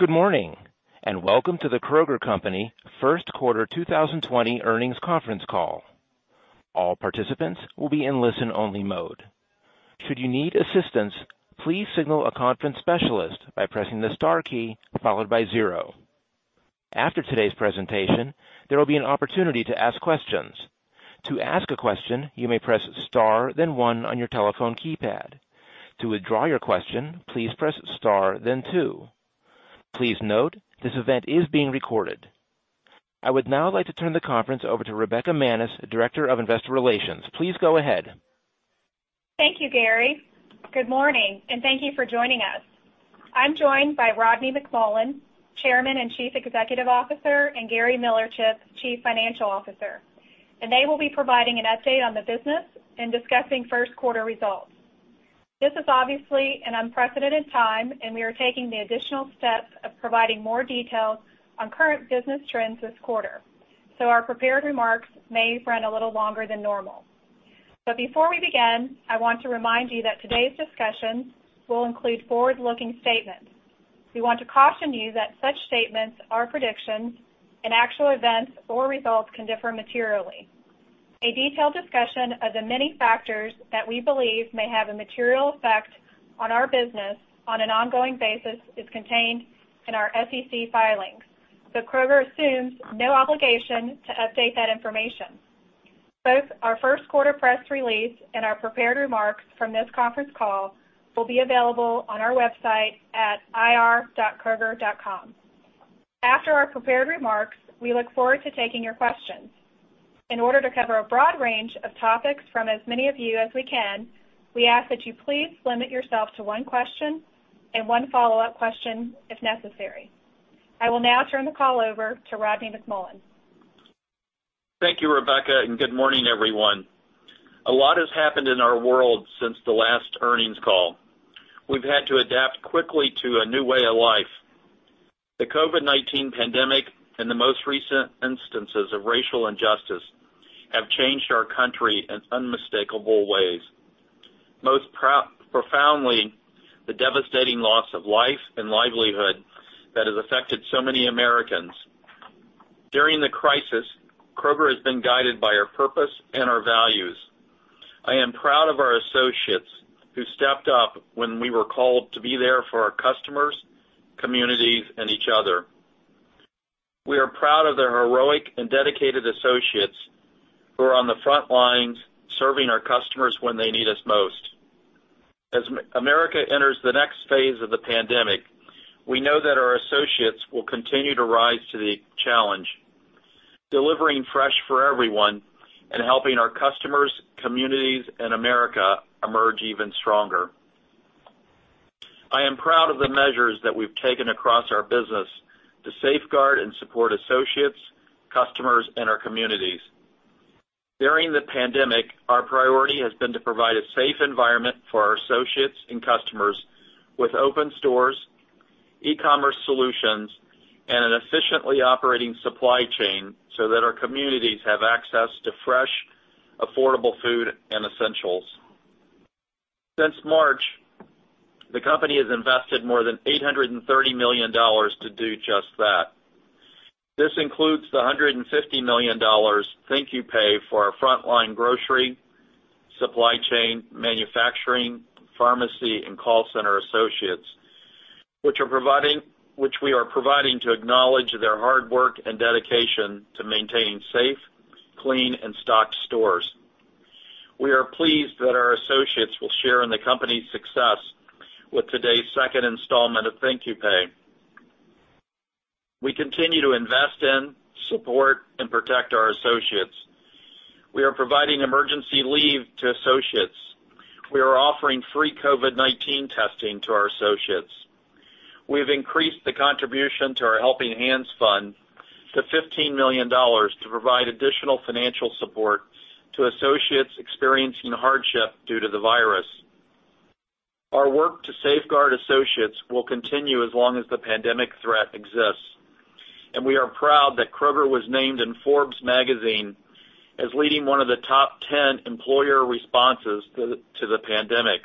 Good morning, and welcome to The Kroger Co. first quarter 2020 earnings conference call. All participants will be in listen only mode. Should you need assistance, please signal a conference specialist by pressing the star key followed by zero. After today's presentation, there will be an opportunity to ask questions. To ask a question, you may press star then one on your telephone keypad. To withdraw your question, please press star then two. Please note, this event is being recorded. I would now like to turn the conference over to Rebekah Manis, Director of Investor Relations. Please go ahead. Thank you, Gary. Good morning, and thank you for joining us. I'm joined by Rodney McMullen, Chairman and Chief Executive Officer, and Gary Millerchip, Chief Financial Officer, and they will be providing an update on the business and discussing first quarter results. This is obviously an unprecedented time, and we are taking the additional steps of providing more details on current business trends this quarter. Our prepared remarks may run a little longer than normal. Before we begin, I want to remind you that today's discussions will include forward-looking statements. We want to caution you that such statements are predictions, and actual events or results can differ materially. A detailed discussion of the many factors that we believe may have a material effect on our business on an ongoing basis is contained in our SEC filings. Kroger assumes no obligation to update that information. Both our first quarter press release and our prepared remarks from this conference call will be available on our website at ir.kroger.com. After our prepared remarks, we look forward to taking your questions. In order to cover a broad range of topics from as many of you as we can, we ask that you please limit yourself to one question and one follow-up question if necessary. I will now turn the call over to Rodney McMullen. Thank you, Rebekah. Good morning, everyone. A lot has happened in our world since the last earnings call. We've had to adapt quickly to a new way of life. The COVID-19 pandemic and the most recent instances of racial injustice have changed our country in unmistakable ways. Most profoundly, the devastating loss of life and livelihood that has affected so many Americans. During the crisis, Kroger has been guided by our purpose and our values. I am proud of our associates who stepped up when we were called to be there for our customers, communities, and each other. We are proud of the heroic and dedicated associates who are on the front lines serving our customers when they need us most. As America enters the next phase of the pandemic, we know that our associates will continue to rise to the challenge, delivering Fresh for Everyone and helping our customers, communities, and America emerge even stronger. I am proud of the measures that we've taken across our business to safeguard and support associates, customers, and our communities. During the pandemic, our priority has been to provide a safe environment for our associates and customers with open stores, e-commerce solutions, and an efficiently operating supply chain so that our communities have access to fresh, affordable food, and essentials. Since March, the company has invested more than $830 million to do just that. This includes the $150 million Thank You Pay for our frontline grocery, supply chain, manufacturing, pharmacy, and call center associates, which we are providing to acknowledge their hard work and dedication to maintaining safe, clean, and stocked stores. We are pleased that our associates will share in the company's success with today's second installment of Thank You Pay. We continue to invest in, support, and protect our associates. We are providing emergency leave to associates. We are offering free COVID-19 testing to our associates. We've increased the contribution to our Helping Hands Fund to $15 million to provide additional financial support to associates experiencing hardship due to the virus. Our work to safeguard associates will continue as long as the pandemic threat exists, and we are proud that Kroger was named in Forbes magazine as leading one of the top 10 employer responses to the pandemic.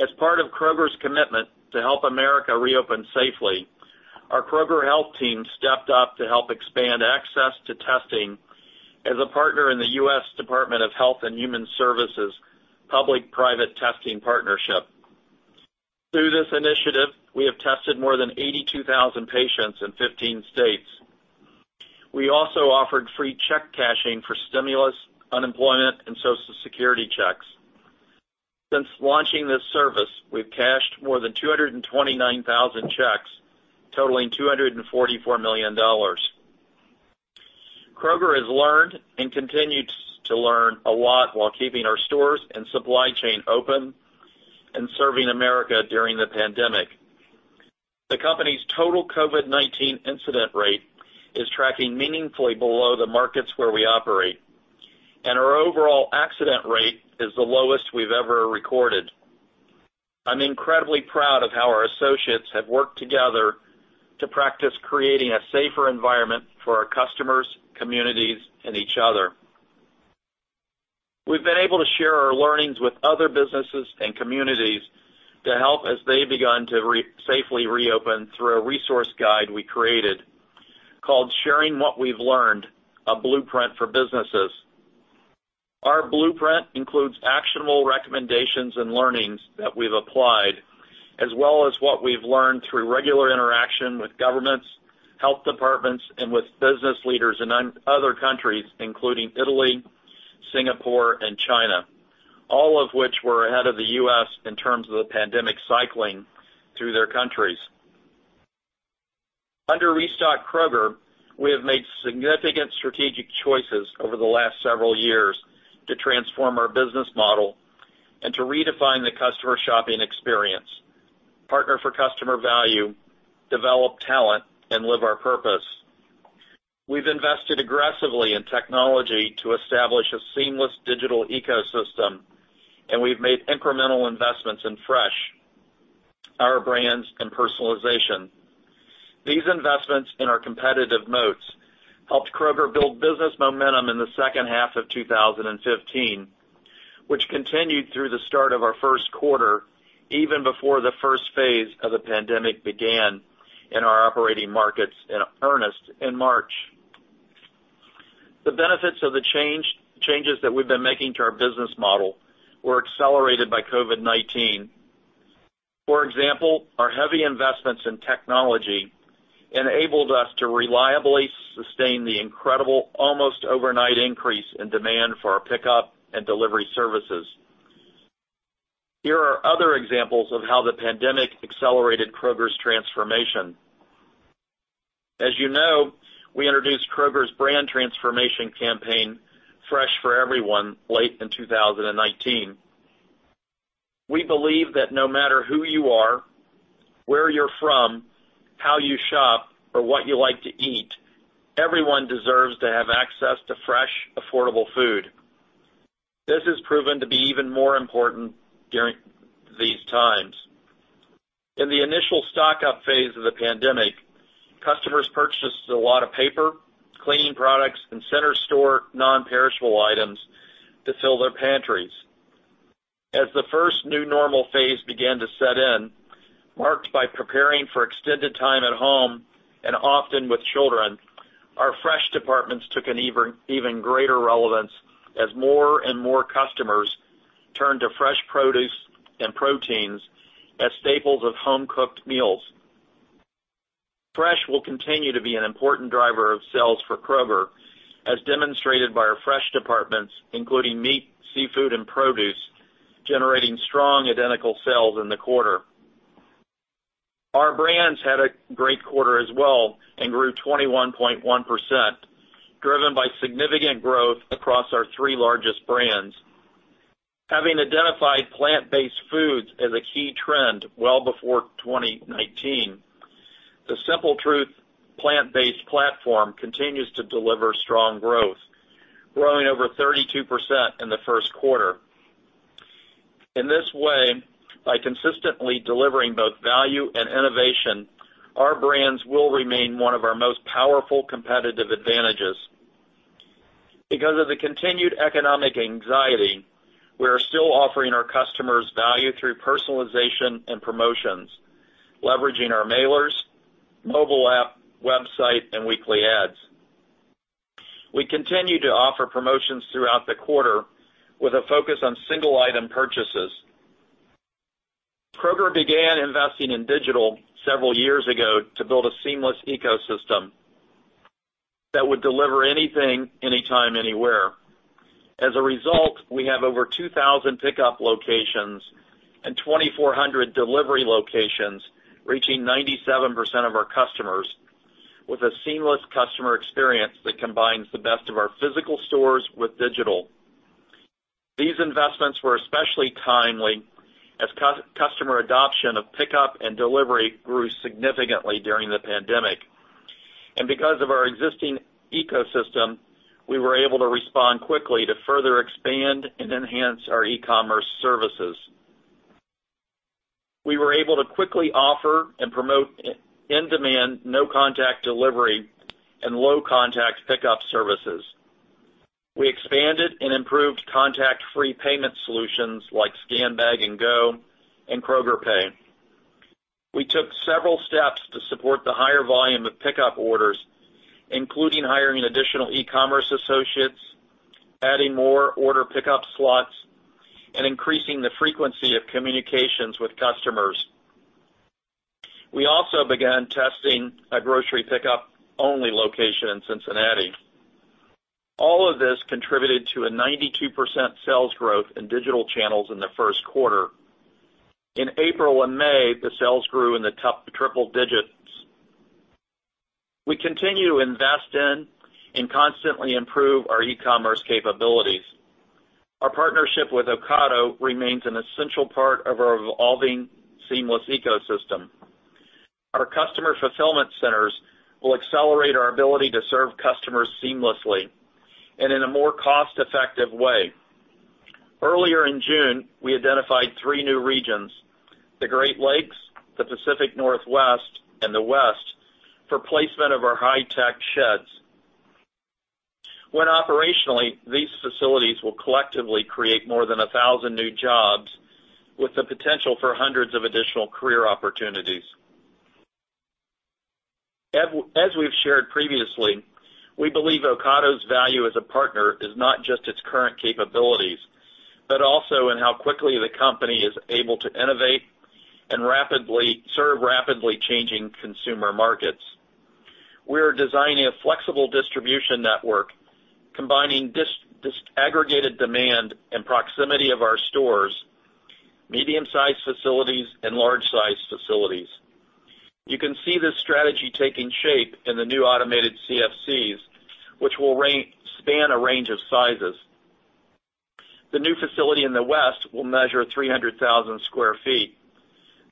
As part of Kroger's commitment to help America reopen safely, our Kroger Health team stepped up to help expand access to testing as a partner in the U.S. Department of Health and Human Services public-private testing partnership. Through this initiative, we have tested more than 82,000 patients in 15 states. We also offered free check cashing for stimulus, unemployment, and social security checks. Since launching this service, we've cashed more than 229,000 checks totaling $244 million. Kroger has learned and continues to learn a lot while keeping our stores and supply chain open and serving America during the pandemic. The company's total COVID-19 incident rate is tracking meaningfully below the markets where we operate. Our overall accident rate is the lowest we've ever recorded. I'm incredibly proud of how our associates have worked together to practice creating a safer environment for our customers, communities, and each other. We've been able to share our learnings with other businesses and communities to help as they've begun to safely reopen through a resource guide we created called Sharing What We've Learned: A Blueprint for Businesses. Our blueprint includes actionable recommendations and learnings that we've applied, as well as what we've learned through regular interaction with governments, health departments, and with business leaders in other countries, including Italy, Singapore, and China, all of which were ahead of the U.S. in terms of the pandemic cycling through their countries. Under Restock Kroger, we have made significant strategic choices over the last several years to transform our business model and to redefine the customer shopping experience, partner for customer value, develop talent, and live our purpose. We've invested aggressively in technology to establish a seamless digital ecosystem, and we've made incremental investments in fresh, our brands, and personalization. These investments in our competitive moats helped Kroger build business momentum in the second half of 2015, which continued through the start of our first quarter, even before the first phase of the pandemic began in our operating markets in earnest in March. The benefits of the changes that we've been making to our business model were accelerated by COVID-19. For example, our heavy investments in technology enabled us to reliably sustain the incredible, almost overnight increase in demand for our pickup and delivery services. Here are other examples of how the pandemic accelerated Kroger's transformation. As you know, we introduced Kroger's brand transformation campaign, Fresh for Everyone, late in 2019. We believe that no matter who you are, where you're from, how you shop, or what you like to eat, everyone deserves to have access to fresh, affordable food. This has proven to be even more important during these times. In the initial stock-up phase of the pandemic, customers purchased a lot of paper, cleaning products, and center store non-perishable items to fill their pantries. As the first new normal phase began to set in, marked by preparing for extended time at home and often with children, our fresh departments took an even greater relevance as more and more customers turned to fresh produce and proteins as staples of home-cooked meals. Fresh will continue to be an important driver of sales for Kroger, as demonstrated by our fresh departments, including meat, seafood, and produce, generating strong identical sales in the quarter. Our brands had a great quarter as well and grew 21.1%, driven by significant growth across our three largest brands. Having identified plant-based foods as a key trend well before 2019, the Simple Truth plant-based platform continues to deliver strong growth, growing over 32% in the first quarter. In this way, by consistently delivering both value and innovation, our brands will remain one of our most powerful competitive advantages. Because of the continued economic anxiety, we are still offering our customers value through personalization and promotions, leveraging our mailers, mobile app, website, and weekly ads. We continued to offer promotions throughout the quarter with a focus on single item purchases. Kroger began investing in digital several years ago to build a seamless ecosystem that would deliver anything, anytime, anywhere. As a result, we have over 2,000 pickup locations and 2,400 delivery locations reaching 97% of our customers with a seamless customer experience that combines the best of our physical stores with digital. These investments were especially timely as customer adoption of pickup and delivery grew significantly during the pandemic. Because of our existing ecosystem, we were able to respond quickly to further expand and enhance our e-commerce services. We were able to quickly offer and promote in-demand, no contact delivery and low contact pickup services. We expanded and improved contact-free payment solutions like Scan, Bag, Go and Kroger Pay. We took several steps to support the higher volume of pickup orders, including hiring additional e-commerce associates, adding more order pickup slots, and increasing the frequency of communications with customers. We also began testing a grocery pickup only location in Cincinnati. All of this contributed to a 92% sales growth in digital channels in the first quarter. In April and May, the sales grew in the triple digits. We continue to invest in and constantly improve our e-commerce capabilities. Our partnership with Ocado remains an essential part of our evolving seamless ecosystem. Our customer fulfillment centers will accelerate our ability to serve customers seamlessly and in a more cost-effective way. Earlier in June, we identified three new regions, the Great Lakes, the Pacific Northwest, and the West for placement of our high-tech sheds. When operationally, these facilities will collectively create more than 1,000 new jobs with the potential for hundreds of additional career opportunities. As we've shared previously, we believe Ocado's value as a partner is not just its current capabilities, but also in how quickly the company is able to innovate and serve rapidly changing consumer markets. We are designing a flexible distribution network, combining disaggregated demand and proximity of our stores, medium-sized facilities, and large-sized facilities. You can see this strategy taking shape in the new automated CFCs, which will span a range of sizes. The new facility in the West will measure 300,000 square feet.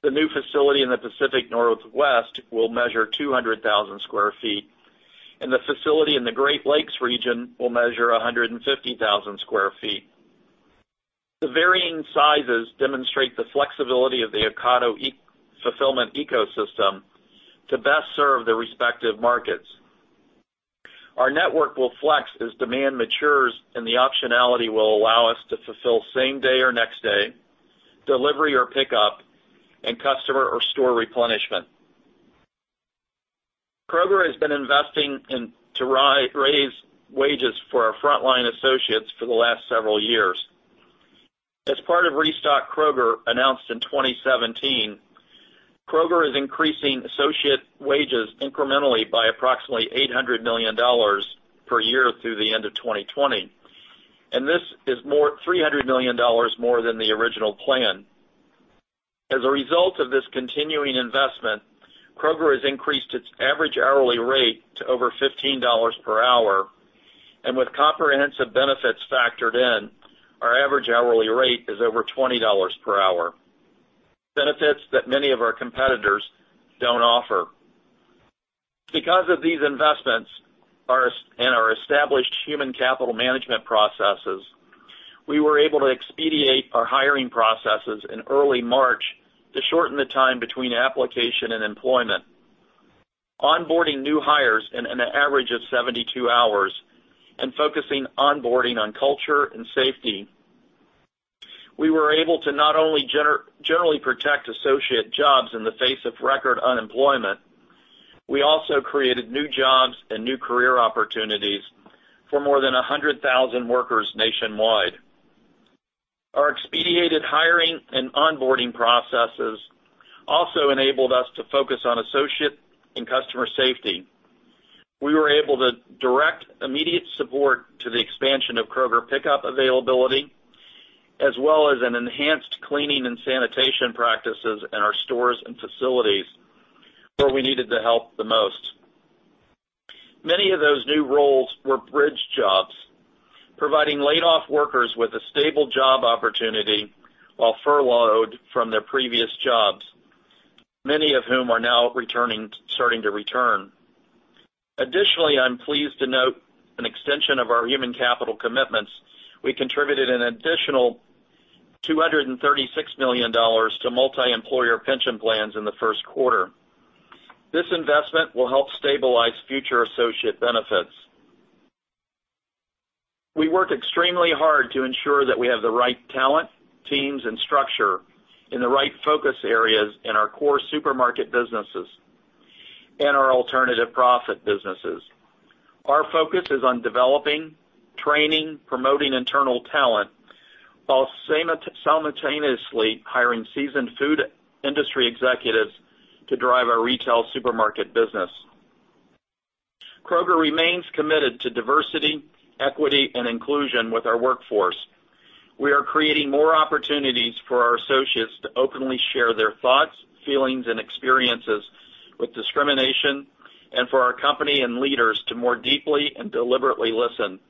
The new facility in the Pacific Northwest will measure 200,000 square feet, and the facility in the Great Lakes region will measure 150,000 square feet. The varying sizes demonstrate the flexibility of the Ocado fulfillment ecosystem to best serve the respective markets. Our network will flex as demand matures, and the optionality will allow us to fulfill same day or next day, delivery or pickup, and customer or store replenishment. Kroger has been investing to raise wages for our frontline associates for the last several years. As part of Restock Kroger announced in 2017, Kroger is increasing associate wages incrementally by approximately $800 million per year through the end of 2020. This is $300 million more than the original plan. As a result of this continuing investment, Kroger has increased its average hourly rate to over $15 per hour, and with comprehensive benefits factored in, our average hourly rate is over $20 per hour. Benefits that many of our competitors don't offer. Because of these investments and our established human capital management processes, we were able to expedite our hiring processes in early March to shorten the time between application and employment, onboarding new hires in an average of 72 hours, and focusing onboarding on culture and safety. We were able to not only generally protect associate jobs in the face of record unemployment, we also created new jobs and new career opportunities for more than 100,000 workers nationwide. Our expedited hiring and onboarding processes also enabled us to focus on associate and customer safety. We were able to direct immediate support to the expansion of Kroger Pickup availability, as well as an enhanced cleaning and sanitation practices in our stores and facilities where we needed the help the most. Many of those new roles were bridge jobs, providing laid-off workers with a stable job opportunity while furloughed from their previous jobs, many of whom are now starting to return. Additionally, I'm pleased to note an extension of our human capital commitments. We contributed an additional $236 million to multi-employer pension plans in the first quarter. This investment will help stabilize future associate benefits. We work extremely hard to ensure that we have the right talent, teams, and structure in the right focus areas in our core supermarket businesses and our alternative profit businesses. Our focus is on developing, training, promoting internal talent, while simultaneously hiring seasoned food industry executives to drive our retail supermarket business. Kroger remains committed to diversity, equity, and inclusion with our workforce. We are creating more opportunities for our associates to openly share their thoughts, feelings, and experiences with discrimination, and for our company and leaders to more deeply and deliberately listen.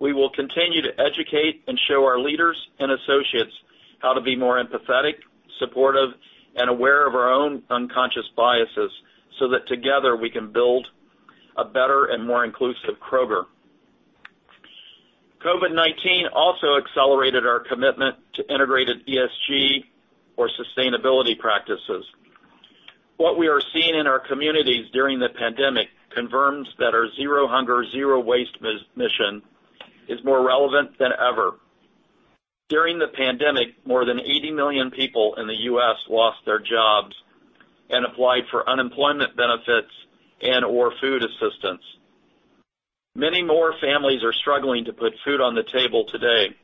We will continue to educate and show our leaders and associates how to be more empathetic, supportive, and aware of our own unconscious biases, so that together we can build a better and more inclusive Kroger. COVID-19 also accelerated our commitment to integrated ESG or sustainability practices. What we are seeing in our communities during the pandemic confirms that our zero hunger, zero waste mission is more relevant than ever. During the pandemic, more than 80 million people in the U.S. lost their jobs and applied for unemployment benefits and/or food assistance. Many more families are struggling to put food on the table today.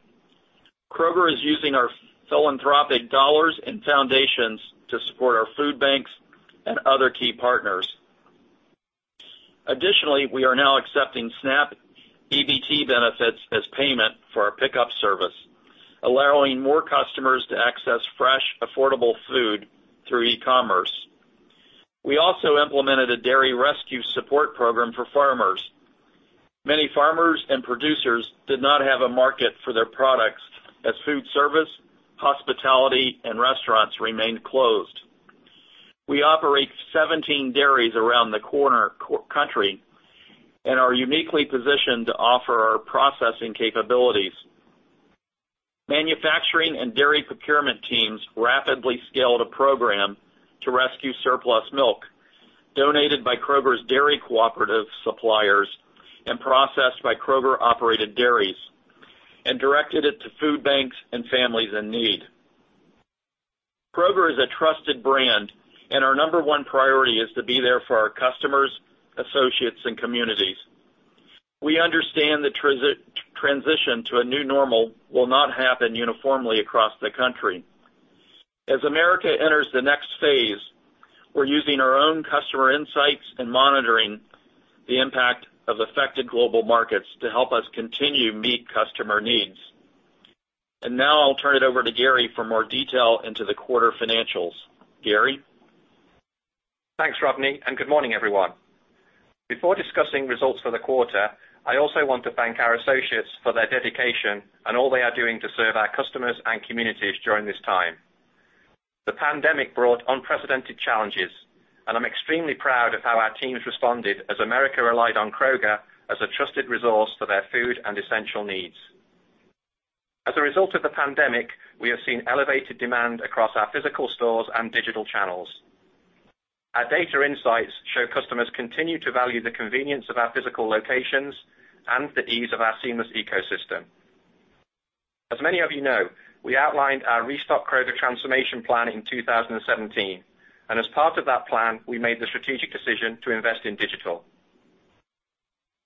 Kroger is using our philanthropic dollars and foundations to support our food banks and other key partners. Additionally, we are now accepting SNAP EBT benefits as payment for our pickup service, allowing more customers to access fresh, affordable food through e-commerce. We also implemented a dairy rescue support program for farmers. Many farmers and producers did not have a market for their products as food service, hospitality, and restaurants remained closed. We operate 17 dairies around the country and are uniquely positioned to offer our processing capabilities. Manufacturing and dairy procurement teams rapidly scaled a program to rescue surplus milk donated by Kroger's dairy cooperative suppliers and processed by Kroger-operated dairies and directed it to food banks and families in need. Kroger is a trusted brand, and our number 1 priority is to be there for our customers, associates, and communities. We understand the transition to a new normal will not happen uniformly across the country. As America enters the next phase, we're using our own customer insights and monitoring the impact of affected global markets to help us continue to meet customer needs. Now I'll turn it over to Gary for more detail into the quarter financials. Gary? Thanks, Rodney. Good morning, everyone. Before discussing results for the quarter, I also want to thank our associates for their dedication and all they are doing to serve our customers and communities during this time. The pandemic brought unprecedented challenges, and I'm extremely proud of how our teams responded as America relied on Kroger as a trusted resource for their food and essential needs. As a result of the pandemic, we have seen elevated demand across our physical stores and digital channels. Our data insights show customers continue to value the convenience of our physical locations and the ease of our seamless ecosystem. As many of you know, we outlined our Restock Kroger transformation plan in 2017, and as part of that plan, we made the strategic decision to invest in digital.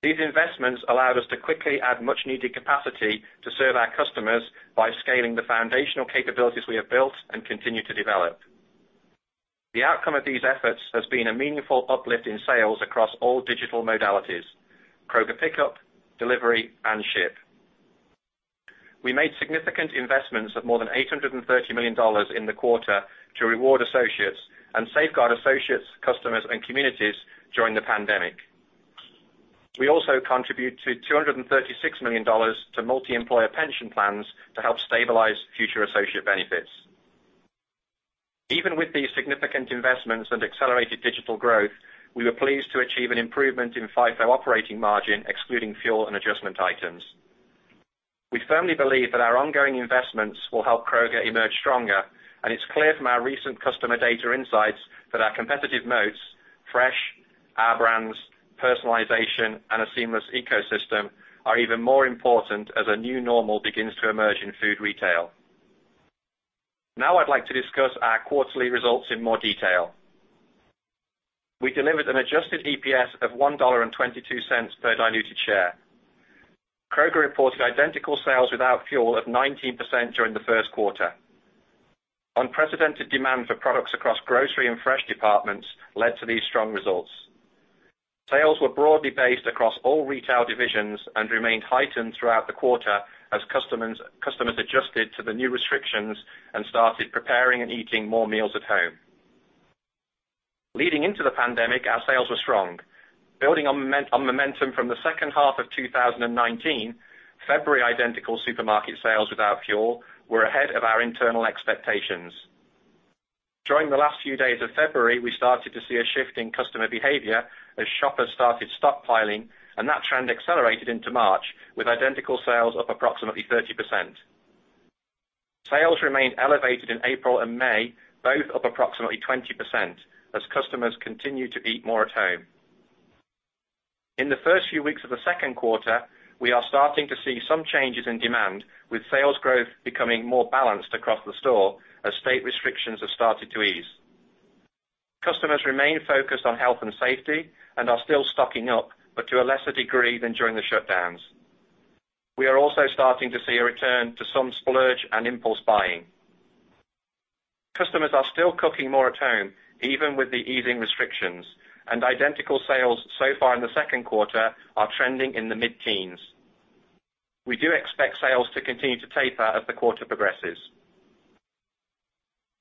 These investments allowed us to quickly add much needed capacity to serve our customers by scaling the foundational capabilities we have built and continue to develop. The outcome of these efforts has been a meaningful uplift in sales across all digital modalities, Kroger Pickup, Delivery, and Ship. We made significant investments of more than $830 million in the quarter to reward associates and safeguard associates, customers, and communities during the pandemic. We also contribute $236 million to multi-employer pension plans to help stabilize future associate benefits. Even with these significant investments and accelerated digital growth, we were pleased to achieve an improvement in FIFO operating margin, excluding fuel and adjustment items. We firmly believe that our ongoing investments will help Kroger emerge stronger. It's clear from our recent customer data insights that our competitive moats, fresh, our brands, personalization, and a seamless ecosystem are even more important as a new normal begins to emerge in food retail. Now I'd like to discuss our quarterly results in more detail. We delivered an adjusted EPS of $1.22 per diluted share. Kroger reported identical sales without fuel of 19% during the first quarter. Unprecedented demand for products across grocery and fresh departments led to these strong results. Sales were broadly based across all retail divisions and remained heightened throughout the quarter as customers adjusted to the new restrictions and started preparing and eating more meals at home. Leading into the pandemic, our sales were strong. Building on momentum from the second half of 2019, February identical supermarket sales without fuel were ahead of our internal expectations. During the last few days of February, we started to see a shift in customer behavior as shoppers started stockpiling. That trend accelerated into March with identical sales up approximately 30%. Sales remained elevated in April and May, both up approximately 20%, as customers continued to eat more at home. In the first few weeks of the second quarter, we are starting to see some changes in demand, with sales growth becoming more balanced across the store as state restrictions have started to ease. Customers remain focused on health and safety and are still stocking up, but to a lesser degree than during the shutdowns. We are also starting to see a return to some splurge and impulse buying. Customers are still cooking more at home, even with the easing restrictions. Identical sales so far in the second quarter are trending in the mid-teens. We do expect sales to continue to taper as the quarter progresses.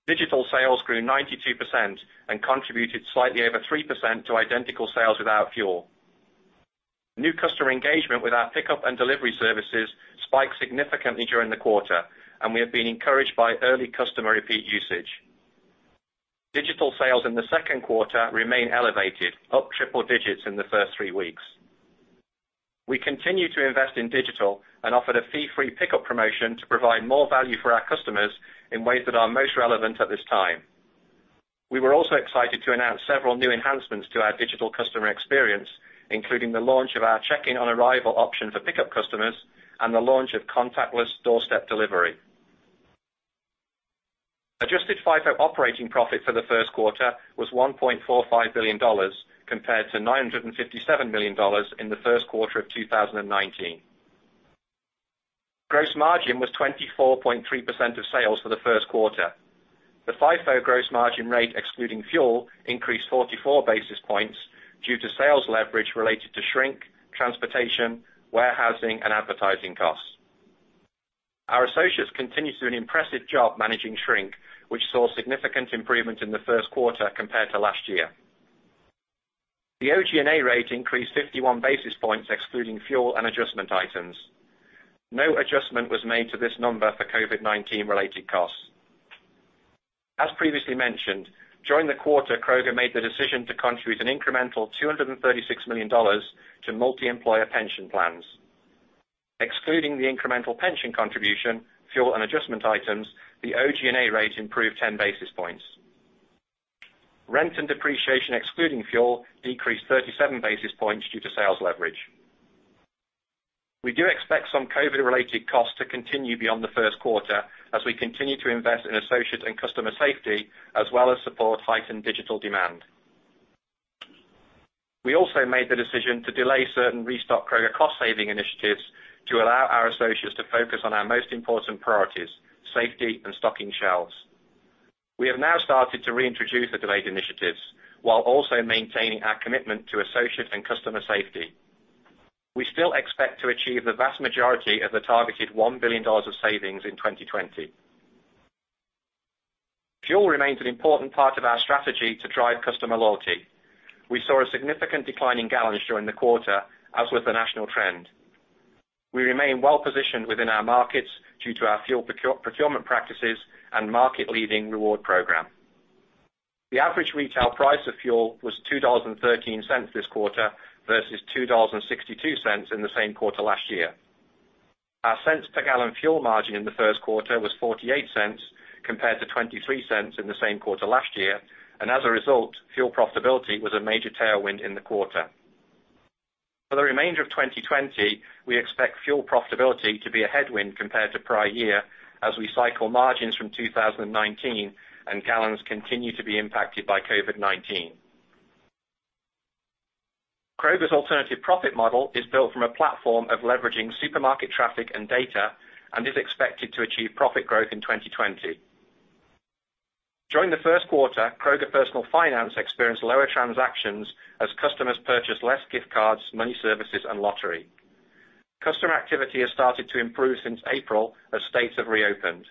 Digital sales grew 92% and contributed slightly over 3% to identical sales without fuel. New customer engagement with our Pickup and Delivery services spiked significantly during the quarter. We have been encouraged by early customer repeat usage. Digital sales in the second quarter remain elevated, up triple digits in the first three weeks. We continue to invest in digital and offered a fee-free Pickup promotion to provide more value for our customers in ways that are most relevant at this time. We were also excited to announce several new enhancements to our digital customer experience, including the launch of our check-in on arrival option for Pickup customers and the launch of contactless doorstep delivery. Adjusted FIFO operating profit for the first quarter was $1.45 billion compared to $957 million in the first quarter of 2019. Gross margin was 24.3% of sales for the first quarter. The FIFO gross margin rate, excluding fuel, increased 44 basis points due to sales leverage related to shrink, transportation, warehousing, and advertising costs. Our associates continue to do an impressive job managing shrink, which saw significant improvement in the first quarter compared to last year. The OG&A rate increased 51 basis points, excluding fuel and adjustment items. No adjustment was made to this number for COVID-19 related costs. As previously mentioned, during the quarter, Kroger made the decision to contribute an incremental $236 million to multi-employer pension plans. Excluding the incremental pension contribution, fuel, and adjustment items, the OG&A rate improved 10 basis points. Rent and depreciation, excluding fuel, decreased 37 basis points due to sales leverage. We do expect some COVID related costs to continue beyond the first quarter as we continue to invest in associate and customer safety, as well as support heightened digital demand. We also made the decision to delay certain Restock Kroger cost saving initiatives to allow our associates to focus on our most important priorities, safety and stocking shelves. We have now started to reintroduce the delayed initiatives, while also maintaining our commitment to associate and customer safety. We still expect to achieve the vast majority of the targeted $1 billion of savings in 2020. Fuel remains an important part of our strategy to drive customer loyalty. We saw a significant decline in gallons during the quarter, as with the national trend. We remain well positioned within our markets due to our fuel procurement practices and market leading reward program. The average retail price of fuel was $2.13 this quarter versus $2.62 in the same quarter last year. Our cents per gallon fuel margin in the first quarter was $0.48 compared to $0.23 in the same quarter last year. As a result, fuel profitability was a major tailwind in the quarter. For the remainder of 2020, we expect fuel profitability to be a headwind compared to prior year as we cycle margins from 2019 and gallons continue to be impacted by COVID-19. Kroger's alternative profit model is built from a platform of leveraging supermarket traffic and data and is expected to achieve profit growth in 2020. During the first quarter, Kroger Personal Finance experienced lower transactions as customers purchased less gift cards, money services, and lottery. Customer activity has started to improve since April as states have reopened.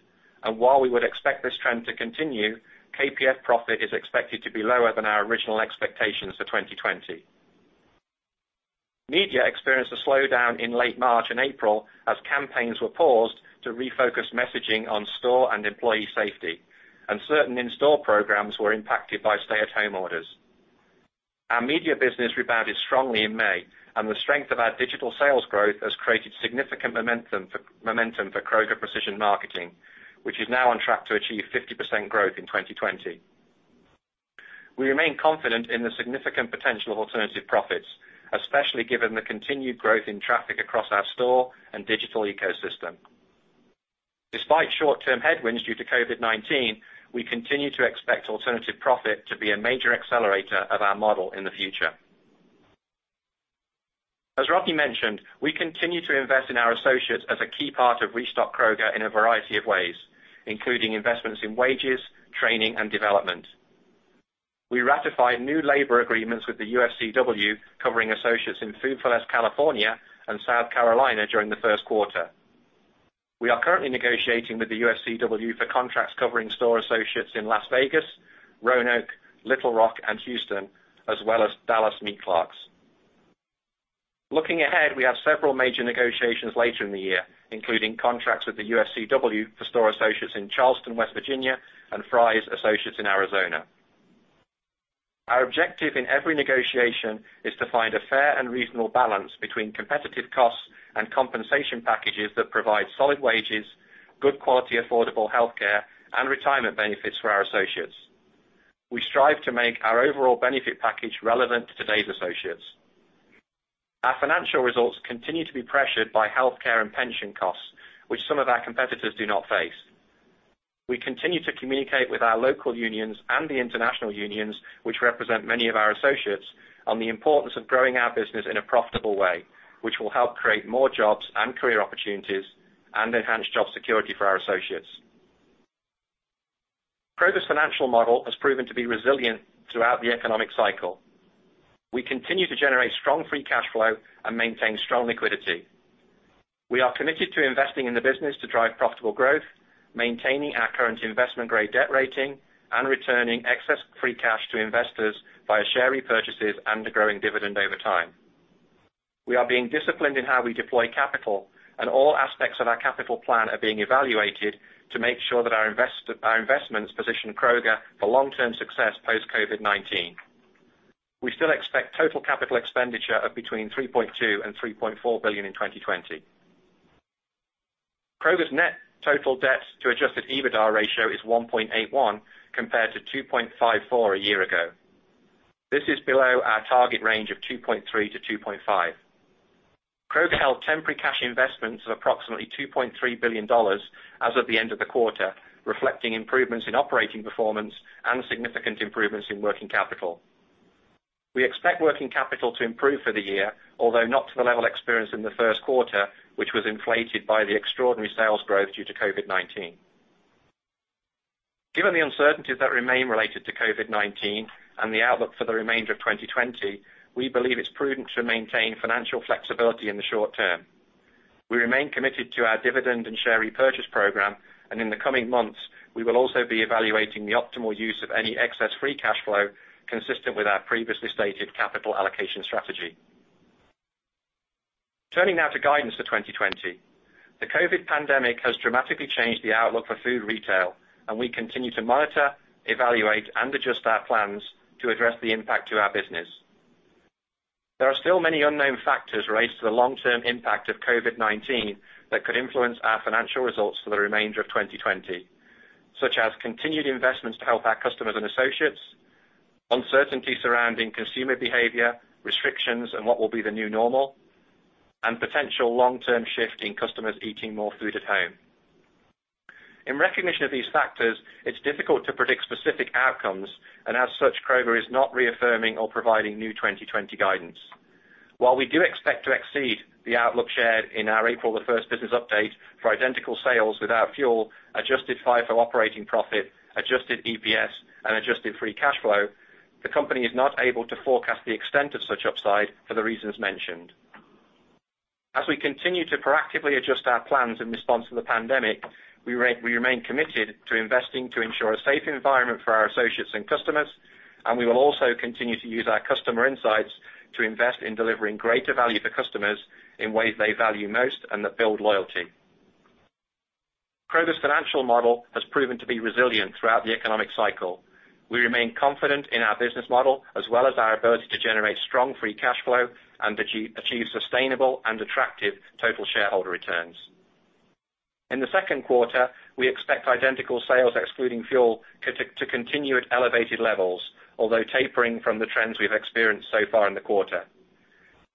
While we would expect this trend to continue, KPF profit is expected to be lower than our original expectations for 2020. Media experienced a slowdown in late March and April as campaigns were paused to refocus messaging on store and employee safety, and certain in-store programs were impacted by stay-at-home orders. Our media business rebounded strongly in May, and the strength of our digital sales growth has created significant momentum for Kroger Precision Marketing, which is now on track to achieve 50% growth in 2020. We remain confident in the significant potential of alternative profits, especially given the continued growth in traffic across our store and digital ecosystem. Despite short-term headwinds due to COVID-19, we continue to expect alternative profit to be a major accelerator of our model in the future. As Rodney mentioned, we continue to invest in our associates as a key part of Restock Kroger in a variety of ways, including investments in wages, training, and development. We ratified new labor agreements with the UFCW covering associates in Food 4 Less California and South Carolina during the first quarter. We are currently negotiating with the UFCW for contracts covering store associates in Las Vegas, Roanoke, Little Rock, and Houston, as well as Dallas meat clerks. Looking ahead, we have several major negotiations later in the year, including contracts with the UFCW for store associates in Charleston, West Virginia, and Fry's associates in Arizona. Our objective in every negotiation is to find a fair and reasonable balance between competitive costs and compensation packages that provide solid wages, good quality, affordable healthcare, and retirement benefits for our associates. We strive to make our overall benefit package relevant to today's associates. Our financial results continue to be pressured by healthcare and pension costs, which some of our competitors do not face. We continue to communicate with our local unions and the international unions, which represent many of our associates, on the importance of growing our business in a profitable way, which will help create more jobs and career opportunities and enhance job security for our associates. Kroger's financial model has proven to be resilient throughout the economic cycle. We continue to generate strong free cash flow and maintain strong liquidity. We are committed to investing in the business to drive profitable growth, maintaining our current investment-grade debt rating, and returning excess free cash to investors via share repurchases and a growing dividend over time. We are being disciplined in how we deploy capital, and all aspects of our capital plan are being evaluated to make sure that our investments position Kroger for long-term success post COVID-19. We still expect total capital expenditure of between $3.2 billion-$3.4 billion in 2020. Kroger's net total debt to adjusted EBITDA ratio is 1.81 compared to 2.54 a year ago. This is below our target range of 2.3-2.5. Kroger held temporary cash investments of approximately $2.3 billion as of the end of the quarter, reflecting improvements in operating performance and significant improvements in working capital. We expect working capital to improve for the year, although not to the level experienced in the first quarter, which was inflated by the extraordinary sales growth due to COVID-19. Given the uncertainties that remain related to COVID-19 and the outlook for the remainder of 2020, we believe it's prudent to maintain financial flexibility in the short term. We remain committed to our dividend and share repurchase program, and in the coming months, we will also be evaluating the optimal use of any excess free cash flow consistent with our previously stated capital allocation strategy. Turning now to guidance for 2020. The COVID pandemic has dramatically changed the outlook for food retail, and we continue to monitor, evaluate, and adjust our plans to address the impact to our business. There are still many unknown factors raised to the long-term impact of COVID-19 that could influence our financial results for the remainder of 2020, such as continued investments to help our customers and associates, uncertainty surrounding consumer behavior, restrictions, and what will be the new normal, and potential long-term shift in customers eating more food at home. In recognition of these factors, it's difficult to predict specific outcomes. As such, Kroger is not reaffirming or providing new 2020 guidance. While we do expect to exceed the outlook shared in our April the business update for identical sales without fuel, adjusted FIFO operating profit, adjusted EPS, and adjusted free cash flow, the company is not able to forecast the extent of such upside for the reasons mentioned. As we continue to proactively adjust our plans in response to the pandemic, we remain committed to investing to ensure a safe environment for our associates and customers. We will also continue to use our customer insights to invest in delivering greater value for customers in ways they value most and that build loyalty. Kroger's financial model has proven to be resilient throughout the economic cycle. We remain confident in our business model, as well as our ability to generate strong free cash flow and achieve sustainable and attractive total shareholder returns. In the second quarter, we expect identical sales, excluding fuel, to continue at elevated levels, although tapering from the trends we've experienced so far in the quarter.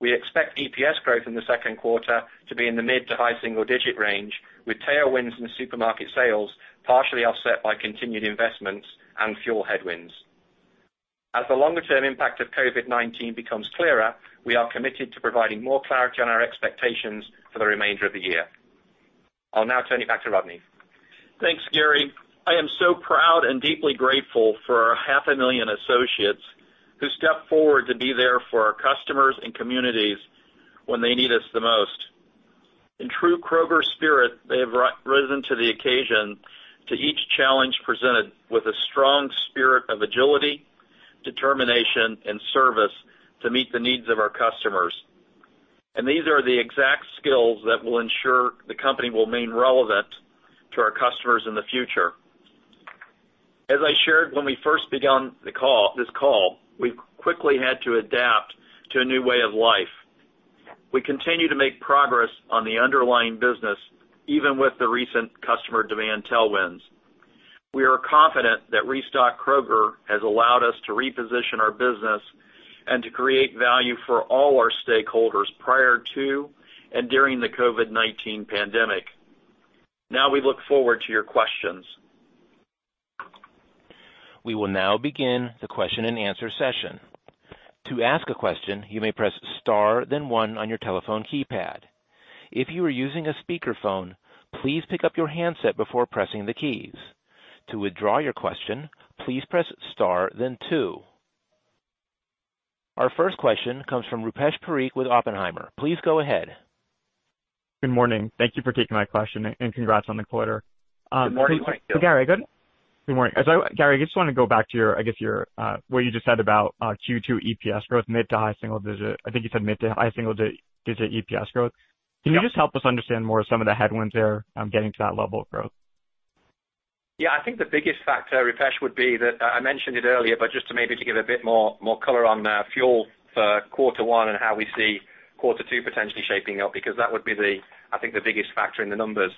We expect EPS growth in the second quarter to be in the mid to high single digit range, with tailwinds in the supermarket sales partially offset by continued investments and fuel headwinds. As the longer term impact of COVID-19 becomes clearer, we are committed to providing more clarity on our expectations for the remainder of the year. I'll now turn it back to Rodney. Thanks, Gary. I am so proud and deeply grateful for our half a million associates who stepped forward to be there for our customers and communities when they need us the most. In true Kroger spirit, they have risen to the occasion to each challenge presented with a strong spirit of agility, determination, and service to meet the needs of our customers. These are the exact skills that will ensure the company will remain relevant to our customers in the future. As I shared when we first begun this call, we've quickly had to adapt to a new way of life. We continue to make progress on the underlying business, even with the recent customer demand tailwinds. We are confident that Restock Kroger has allowed us to reposition our business and to create value for all our stakeholders prior to and during the COVID-19 pandemic. Now we look forward to your questions. We will now begin the question and answer session. To ask a question, you may press star then one on your telephone keypad. If you are using a speakerphone, please pick up your handset before pressing the keys. To withdraw your question, please press star then two. Our first question comes from Rupesh Parikh with Oppenheimer. Please go ahead. Good morning. Thank you for taking my question, and congrats on the quarter. Good morning to you. Good morning. Gary, I just want to go back to what you just said about Q2 EPS growth, mid to high single digit. I think you said mid to high single digit EPS growth. Yeah. Can you just help us understand more some of the headwinds there on getting to that level of growth? I think the biggest factor, Rupesh, would be that I mentioned it earlier, but just to maybe to give a bit more color on fuel for quarter one and how we see quarter two potentially shaping up, because that would be, I think, the biggest factor in the numbers.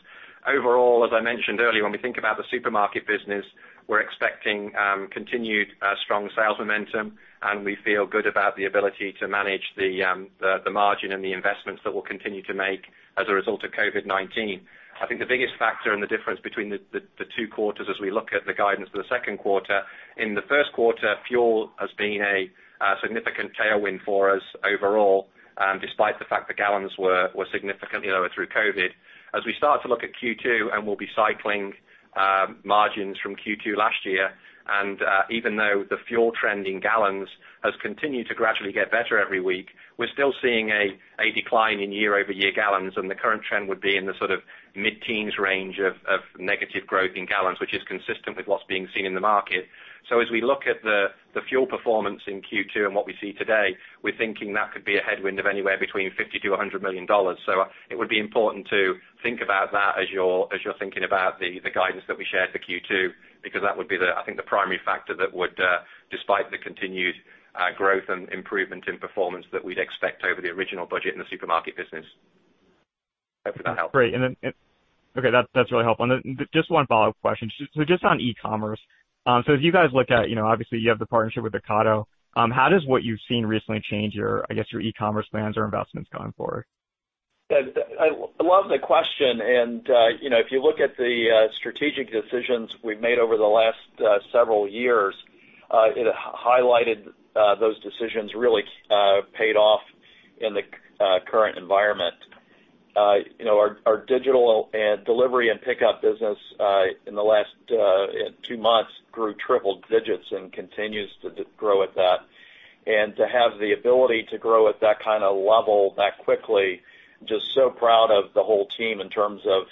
Overall, as I mentioned earlier, when we think about the supermarket business, we're expecting continued strong sales momentum, and we feel good about the ability to manage the margin and the investments that we'll continue to make as a result of COVID-19. I think the biggest factor in the difference between the two quarters as we look at the guidance for the second quarter, in the first quarter, fuel has been a significant tailwind for us overall, despite the fact the gallons were significantly lower through COVID. As we start to look at Q2 and we'll be cycling margins from Q2 last year, and even though the fuel trend in gallons has continued to gradually get better every week, we're still seeing a decline in year-over-year gallons, and the current trend would be in the mid-teens range of negative growth in gallons, which is consistent with what's being seen in the market. As we look at the fuel performance in Q2 and what we see today, we're thinking that could be a headwind of anywhere between $50 million-$100 million. It would be important to think about that as you're thinking about the guidance that we shared for Q2, because that would be, I think, the primary factor that would despite the continued growth and improvement in performance that we'd expect over the original budget in the supermarket business. Hope that helps. Great. Okay, that's really helpful. Just one follow-up question. Just on e-commerce. As you guys look at, obviously you have the partnership with Ocado. How does what you've seen recently change your, I guess, your e-commerce plans or investments going forward? I love the question. If you look at the strategic decisions we've made over the last several years, it highlighted those decisions really paid off in the current environment. Our digital and delivery and pickup business in the last two months grew triple digits and continues to grow at that. To have the ability to grow at that kind of level that quickly, just so proud of the whole team in terms of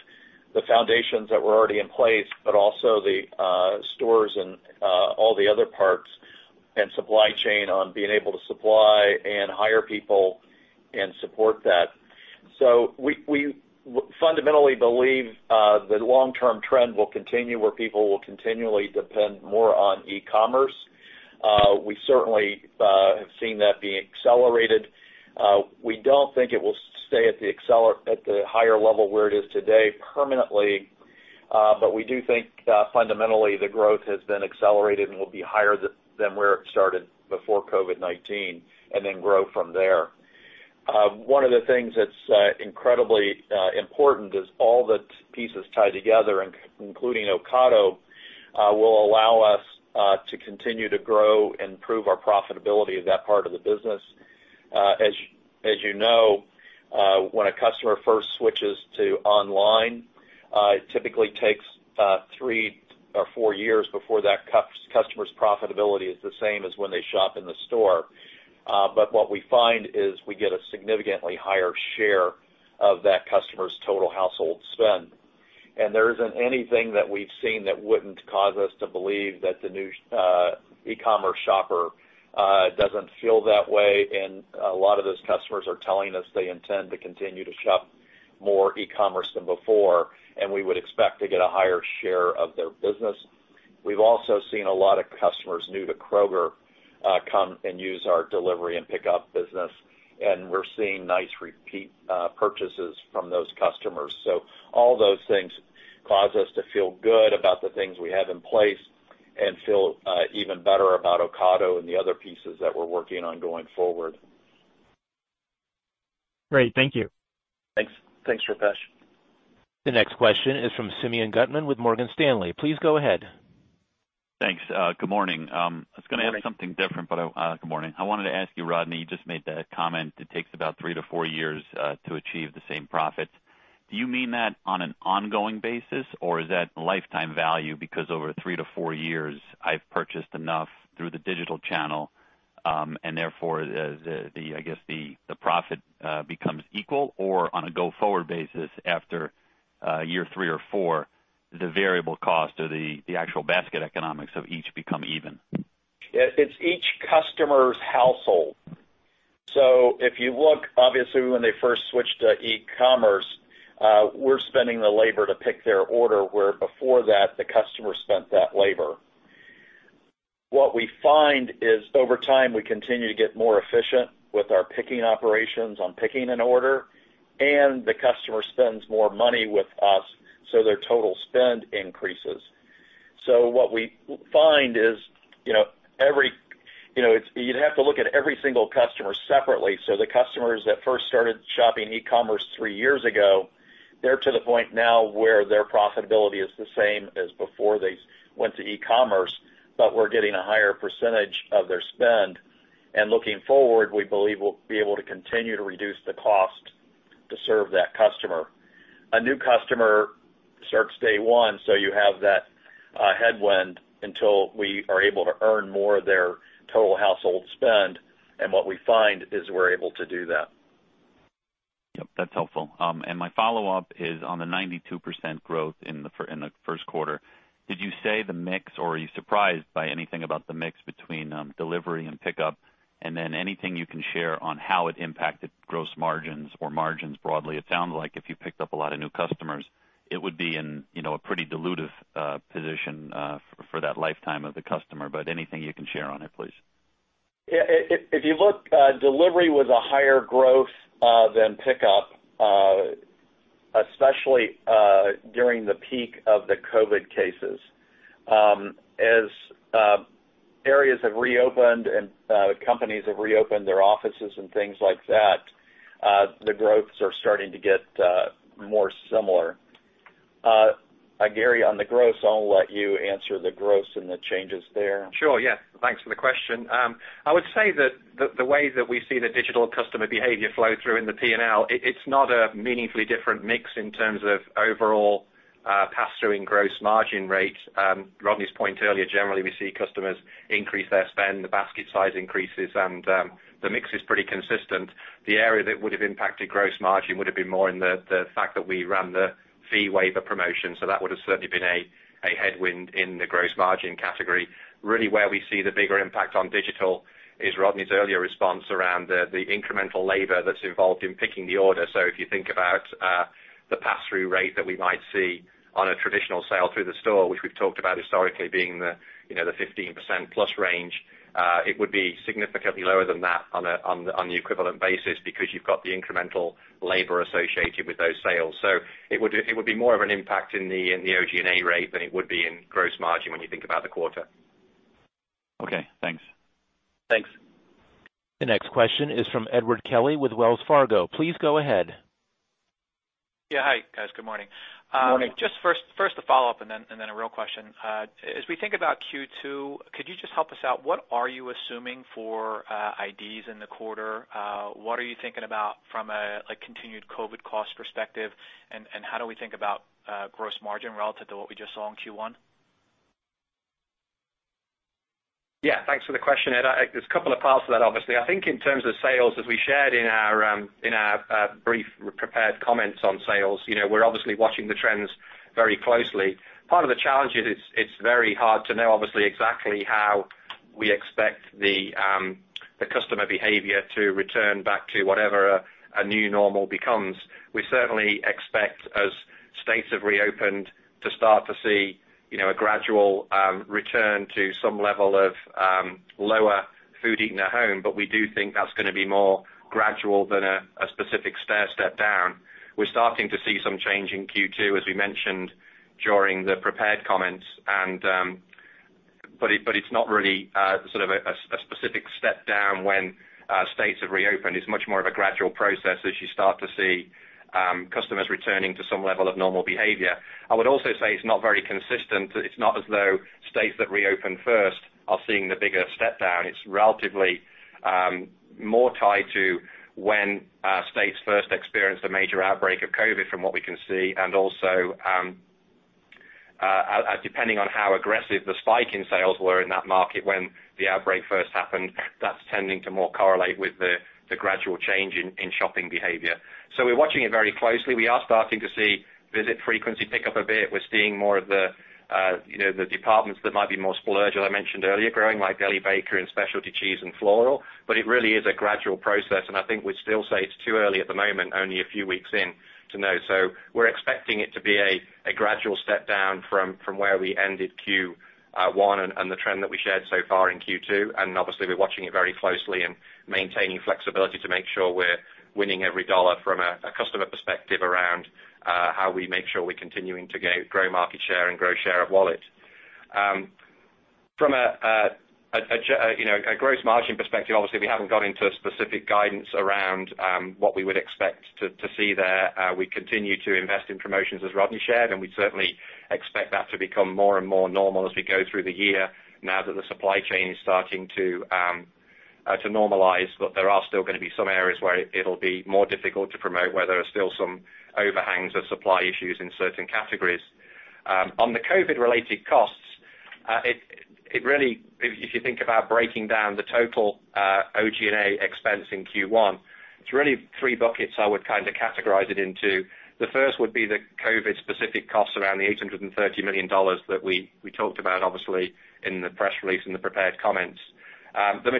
the foundations that were already in place, but also the stores and all the other parts And supply chain on being able to supply and hire people and support that. We fundamentally believe the long-term trend will continue, where people will continually depend more on e-commerce. We certainly have seen that being accelerated. We don't think it will stay at the higher level where it is today permanently. We do think fundamentally the growth has been accelerated and will be higher than where it started before COVID-19, and then grow from there. One of the things that's incredibly important is all the pieces tied together, including Ocado, will allow us to continue to grow and prove our profitability of that part of the business. As you know, when a customer first switches to online, it typically takes three or four years before that customer's profitability is the same as when they shop in the store. What we find is we get a significantly higher share of that customer's total household spend. There isn't anything that we've seen that wouldn't cause us to believe that the new e-commerce shopper doesn't feel that way. A lot of those customers are telling us they intend to continue to shop more e-commerce than before, and we would expect to get a higher share of their business. We've also seen a lot of customers new to Kroger come and use our delivery and pickup business, and we're seeing nice repeat purchases from those customers. All those things cause us to feel good about the things we have in place and feel even better about Ocado and the other pieces that we're working on going forward. Great. Thank you. Thanks. Thanks, Rupesh. The next question is from Simeon Gutman with Morgan Stanley. Please go ahead. Thanks. Good morning. Good morning. I was going to ask something different, but good morning. I wanted to ask you, Rodney, you just made the comment it takes about three to four years to achieve the same profit. Do you mean that on an ongoing basis, or is that lifetime value? Because over three to four years I've purchased enough through the digital channel, and therefore, I guess the profit becomes equal or on a go forward basis after year three or four, the variable cost of the actual basket economics of each become even. It's each customer's household. If you look, obviously, when they first switch to e-commerce, we're spending the labor to pick their order, where before that, the customer spent that labor. What we find is over time, we continue to get more efficient with our picking operations on picking an order, and the customer spends more money with us, so their total spend increases. What we find is you'd have to look at every single customer separately. The customers that first started shopping e-commerce three years ago, they're to the point now where their profitability is the same as before they went to e-commerce, but we're getting a higher percentage of their spend. Looking forward, we believe we'll be able to continue to reduce the cost to serve that customer. A new customer starts day one, so you have that headwind until we are able to earn more of their total household spend. What we find is we're able to do that. Yes, that's helpful. My follow-up is on the 92% growth in the first quarter. Did you say the mix or are you surprised by anything about the mix between delivery and pickup? Anything you can share on how it impacted gross margins or margins broadly. It sounds like if you picked up a lot of new customers, it would be in a pretty dilutive position for that lifetime of the customer, but anything you can share on it, please. If you look, delivery was a higher growth than pickup, especially during the peak of the COVID-19 cases. As areas have reopened and companies have reopened their offices and things like that, the growths are starting to get more similar. Gary, on the growth, I'll let you answer the growth and the changes there. Sure, yeah. Thanks for the question. I would say that the way that we see the digital customer behavior flow through in the P&L, it's not a meaningfully different mix in terms of overall pass-through in gross margin rate. Rodney's point earlier, generally, we see customers increase their spend, the basket size increases, and the mix is pretty consistent. The area that would've impacted gross margin would've been more in the fact that we ran the fee waiver promotion, so that would've certainly been a headwind in the gross margin category. Really where we see the bigger impact on digital is Rodney's earlier response around the incremental labor that's involved in picking the order. If you think about the pass-through rate that we might see on a traditional sale through the store, which we've talked about historically being the 15% plus range, it would be significantly lower than that on the equivalent basis because you've got the incremental labor associated with those sales. It would be more of an impact in the OG&A rate than it would be in gross margin when you think about the quarter. Okay, thanks. Thanks. The next question is from Edward Kelly with Wells Fargo. Please go ahead. Yeah. Hi, guys. Good morning. Morning. Just first a follow-up and then a real question. As we think about Q2, could you just help us out, what are you assuming for IDs in the quarter? What are you thinking about from a continued COVID cost perspective, and how do we think about gross margin relative to what we just saw in Q1? Thanks for the question, Ed. I think in terms of sales, as we shared in our brief prepared comments on sales, we're obviously watching the trends very closely. Part of the challenge is it's very hard to know obviously exactly how we expect the customer behavior to return back to whatever a new normal becomes. We certainly expect as states have reopened to start to see a gradual return to some level of lower food eaten at home. We do think that's going to be more gradual than a specific stairstep down. We're starting to see some change in Q2, as we mentioned during the prepared comments, but it's not really a specific step down when states have reopened. It's much more of a gradual process as you start to see customers returning to some level of normal behavior. I would also say it's not very consistent. It's not as though states that reopened first are seeing the bigger step down. It's relatively more tied to when states first experienced a major outbreak of COVID from what we can see, and also, depending on how aggressive the spike in sales were in that market when the outbreak first happened, that's tending to more correlate with the gradual change in shopping behavior. We're watching it very closely. We are starting to see visit frequency pick up a bit. We're seeing more of the departments that might be more splurge, as I mentioned earlier, growing, like deli, bakery, and specialty cheese and floral. It really is a gradual process, and I think we'd still say it's too early at the moment, only a few weeks in, to know. We're expecting it to be a gradual step down from where we ended Q1 and the trend that we shared so far in Q2. Obviously, we're watching it very closely and maintaining flexibility to make sure we're winning every dollar from a customer perspective around how we make sure we're continuing to grow market share and grow share of wallet. From a gross margin perspective, obviously, we haven't gone into a specific guidance around what we would expect to see there. We continue to invest in promotions, as Rodney shared, and we certainly expect that to become more and more normal as we go through the year now that the supply chain is starting to normalize. There are still going to be some areas where it'll be more difficult to promote, where there are still some overhangs of supply issues in certain categories. On the COVID related costs, if you think about breaking down the total OG&A expense in Q1, it's really three buckets I would categorize it into. The first would be the COVID specific costs around the $830 million that we talked about, obviously, in the press release and the prepared comments. Then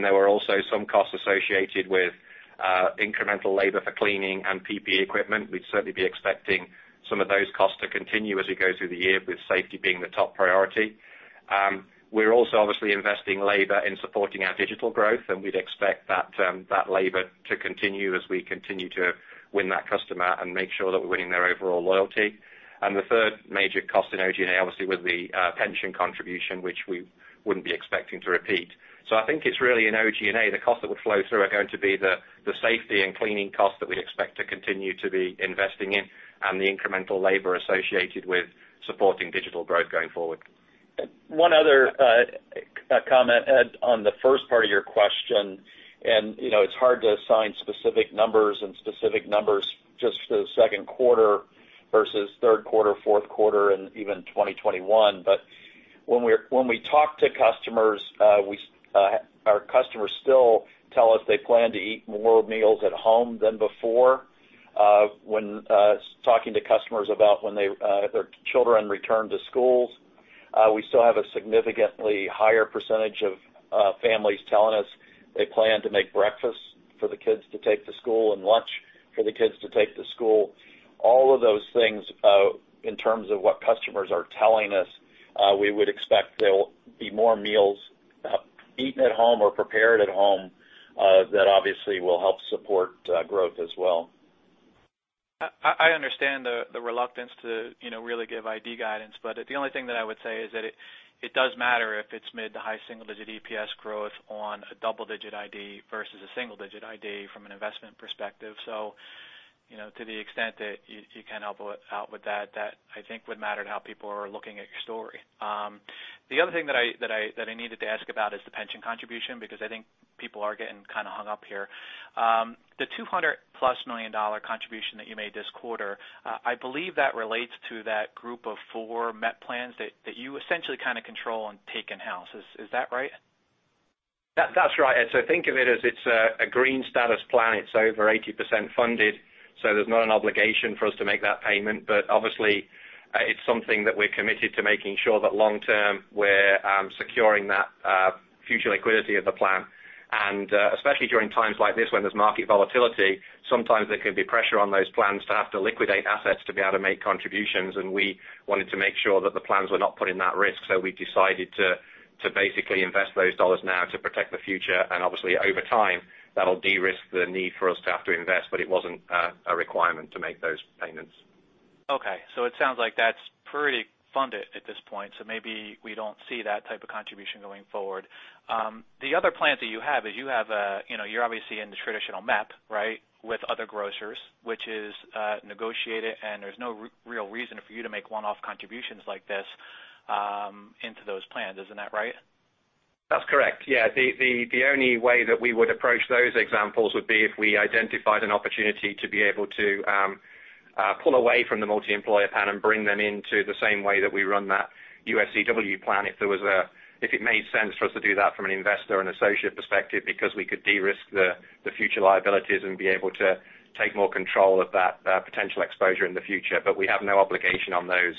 there were also some costs associated with incremental labor for cleaning and PPE equipment. We'd certainly be expecting some of those costs to continue as we go through the year, with safety being the top priority. We're also obviously investing labor in supporting our digital growth, and we'd expect that labor to continue as we continue to win that customer and make sure that we're winning their overall loyalty. The third major cost in OG&A, obviously, was the pension contribution, which we wouldn't be expecting to repeat. I think it's really in OG&A, the cost that would flow through are going to be the safety and cleaning cost that we'd expect to continue to be investing in and the incremental labor associated with supporting digital growth going forward. One other comment, Ed, on the first part of your question, it's hard to assign specific numbers and specific numbers just to the second quarter versus third quarter, fourth quarter, and even 2021. When we talk to customers, our customers still tell us they plan to eat more meals at home than before. When talking to customers about when their children return to schools, we still have a significantly higher percentage of families telling us they plan to make breakfast for the kids to take to school and lunch for the kids to take to school. All of those things, in terms of what customers are telling us, we would expect there will be more meals eaten at home or prepared at home that obviously will help support growth as well. I understand the reluctance to really give ID guidance, the only thing that I would say is that it does matter if it's mid to high single digit EPS growth on a double digit ID versus a single digit ID from an investment perspective. To the extent that you can help out with that I think would matter to how people are looking at your story. The other thing that I needed to ask about is the pension contribution, because I think people are getting hung up here. The $200 plus million contribution that you made this quarter, I believe that relates to that group of four MEP plans that you essentially control and take in-house. Is that right? That's right. Think of it as it's a green status plan. It's over 80% funded, there's not an obligation for us to make that payment. Obviously, it's something that we're committed to making sure that long term, we're securing that future liquidity of the plan. Especially during times like this when there's market volatility, sometimes there can be pressure on those plans to have to liquidate assets to be able to make contributions, and we wanted to make sure that the plans were not put in that risk. We decided to basically invest those dollars now to protect the future, and obviously over time, that'll de-risk the need for us to have to invest, but it wasn't a requirement to make those payments. Okay. It sounds like that's pretty funded at this point, maybe we don't see that type of contribution going forward. The other plans that you have is you're obviously in the traditional MEP, right, with other grocers, which is negotiated, there's no real reason for you to make one-off contributions like this into those plans. Isn't that right? That's correct. The only way that we would approach those examples would be if we identified an opportunity to be able to pull away from the multi-employer plan and bring them into the same way that we run that UFCW plan, if it made sense for us to do that from an investor and associate perspective, because we could de-risk the future liabilities and be able to take more control of that potential exposure in the future. We have no obligation on those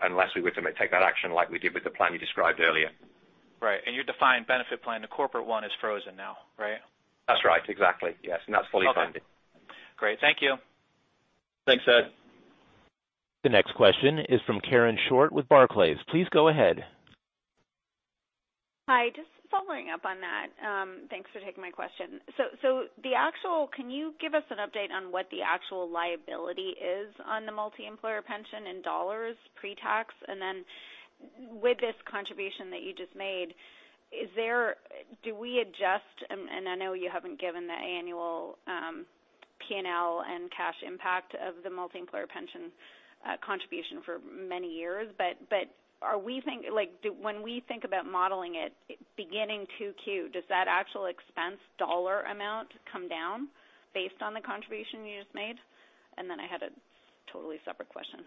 unless we were to take that action like we did with the plan you described earlier. Right, your defined benefit plan, the corporate one is frozen now, right? That's right, exactly. Yes, that's fully funded. Okay, great. Thank you. Thanks, Ed. The next question is from Karen Short with Barclays. Please go ahead. Hi, just following up on that. Thanks for taking my question. Can you give us an update on what the actual liability is on the multi-employer pension in dollars pre-tax? With this contribution that you just made, do we adjust, and I know you haven't given the annual P&L and cash impact of the multi-employer pension contribution for many years, but when we think about modeling it beginning 2Q, does that actual expense dollar amount come down based on the contribution you just made? I had a totally separate question.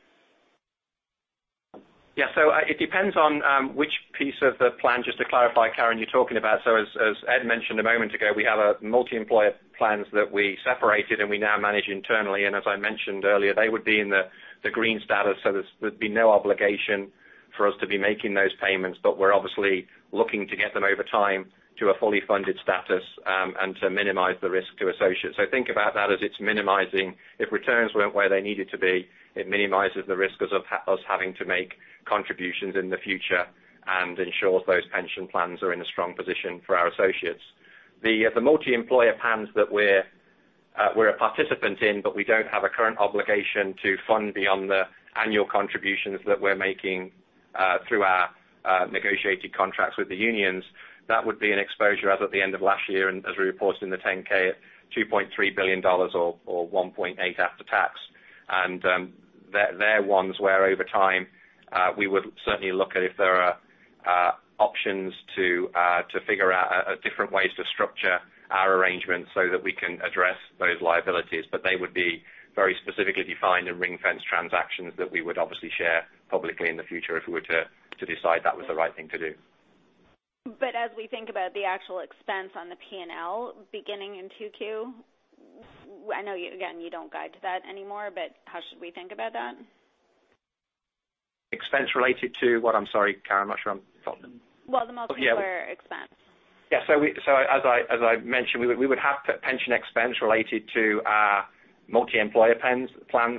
It depends on which piece of the plan, just to clarify, Karen, you're talking about. As Ed mentioned a moment ago, we have multi-employer plans that we separated and we now manage internally. As I mentioned earlier, they would be in the green status. There's been no obligation for us to be making those payments. We're obviously looking to get them over time to a fully funded status, and to minimize the risk to associates. Think about that as it's minimizing. If returns weren't where they needed to be, it minimizes the risk of us having to make contributions in the future and ensures those pension plans are in a strong position for our associates. The multi-employer plans that we're a participant in, but we don't have a current obligation to fund beyond the annual contributions that we're making, through our negotiated contracts with the unions. That would be an exposure as at the end of last year, and as we reported in the 10-K at $2.3 billion or $1.8 billion after tax. They're ones where over time, we would certainly look at if there are options to figure out different ways to structure our arrangements so that we can address those liabilities. They would be very specifically defined and ring-fence transactions that we would obviously share publicly in the future if we were to decide that was the right thing to do. As we think about the actual expense on the P&L beginning in 2Q, I know, again, you don't guide to that anymore, how should we think about that? Expense related to what? I'm sorry, Karen, I'm not sure I'm following. Well, the multi-employer expense. As I mentioned, we would have pension expense related to our multi-employer plans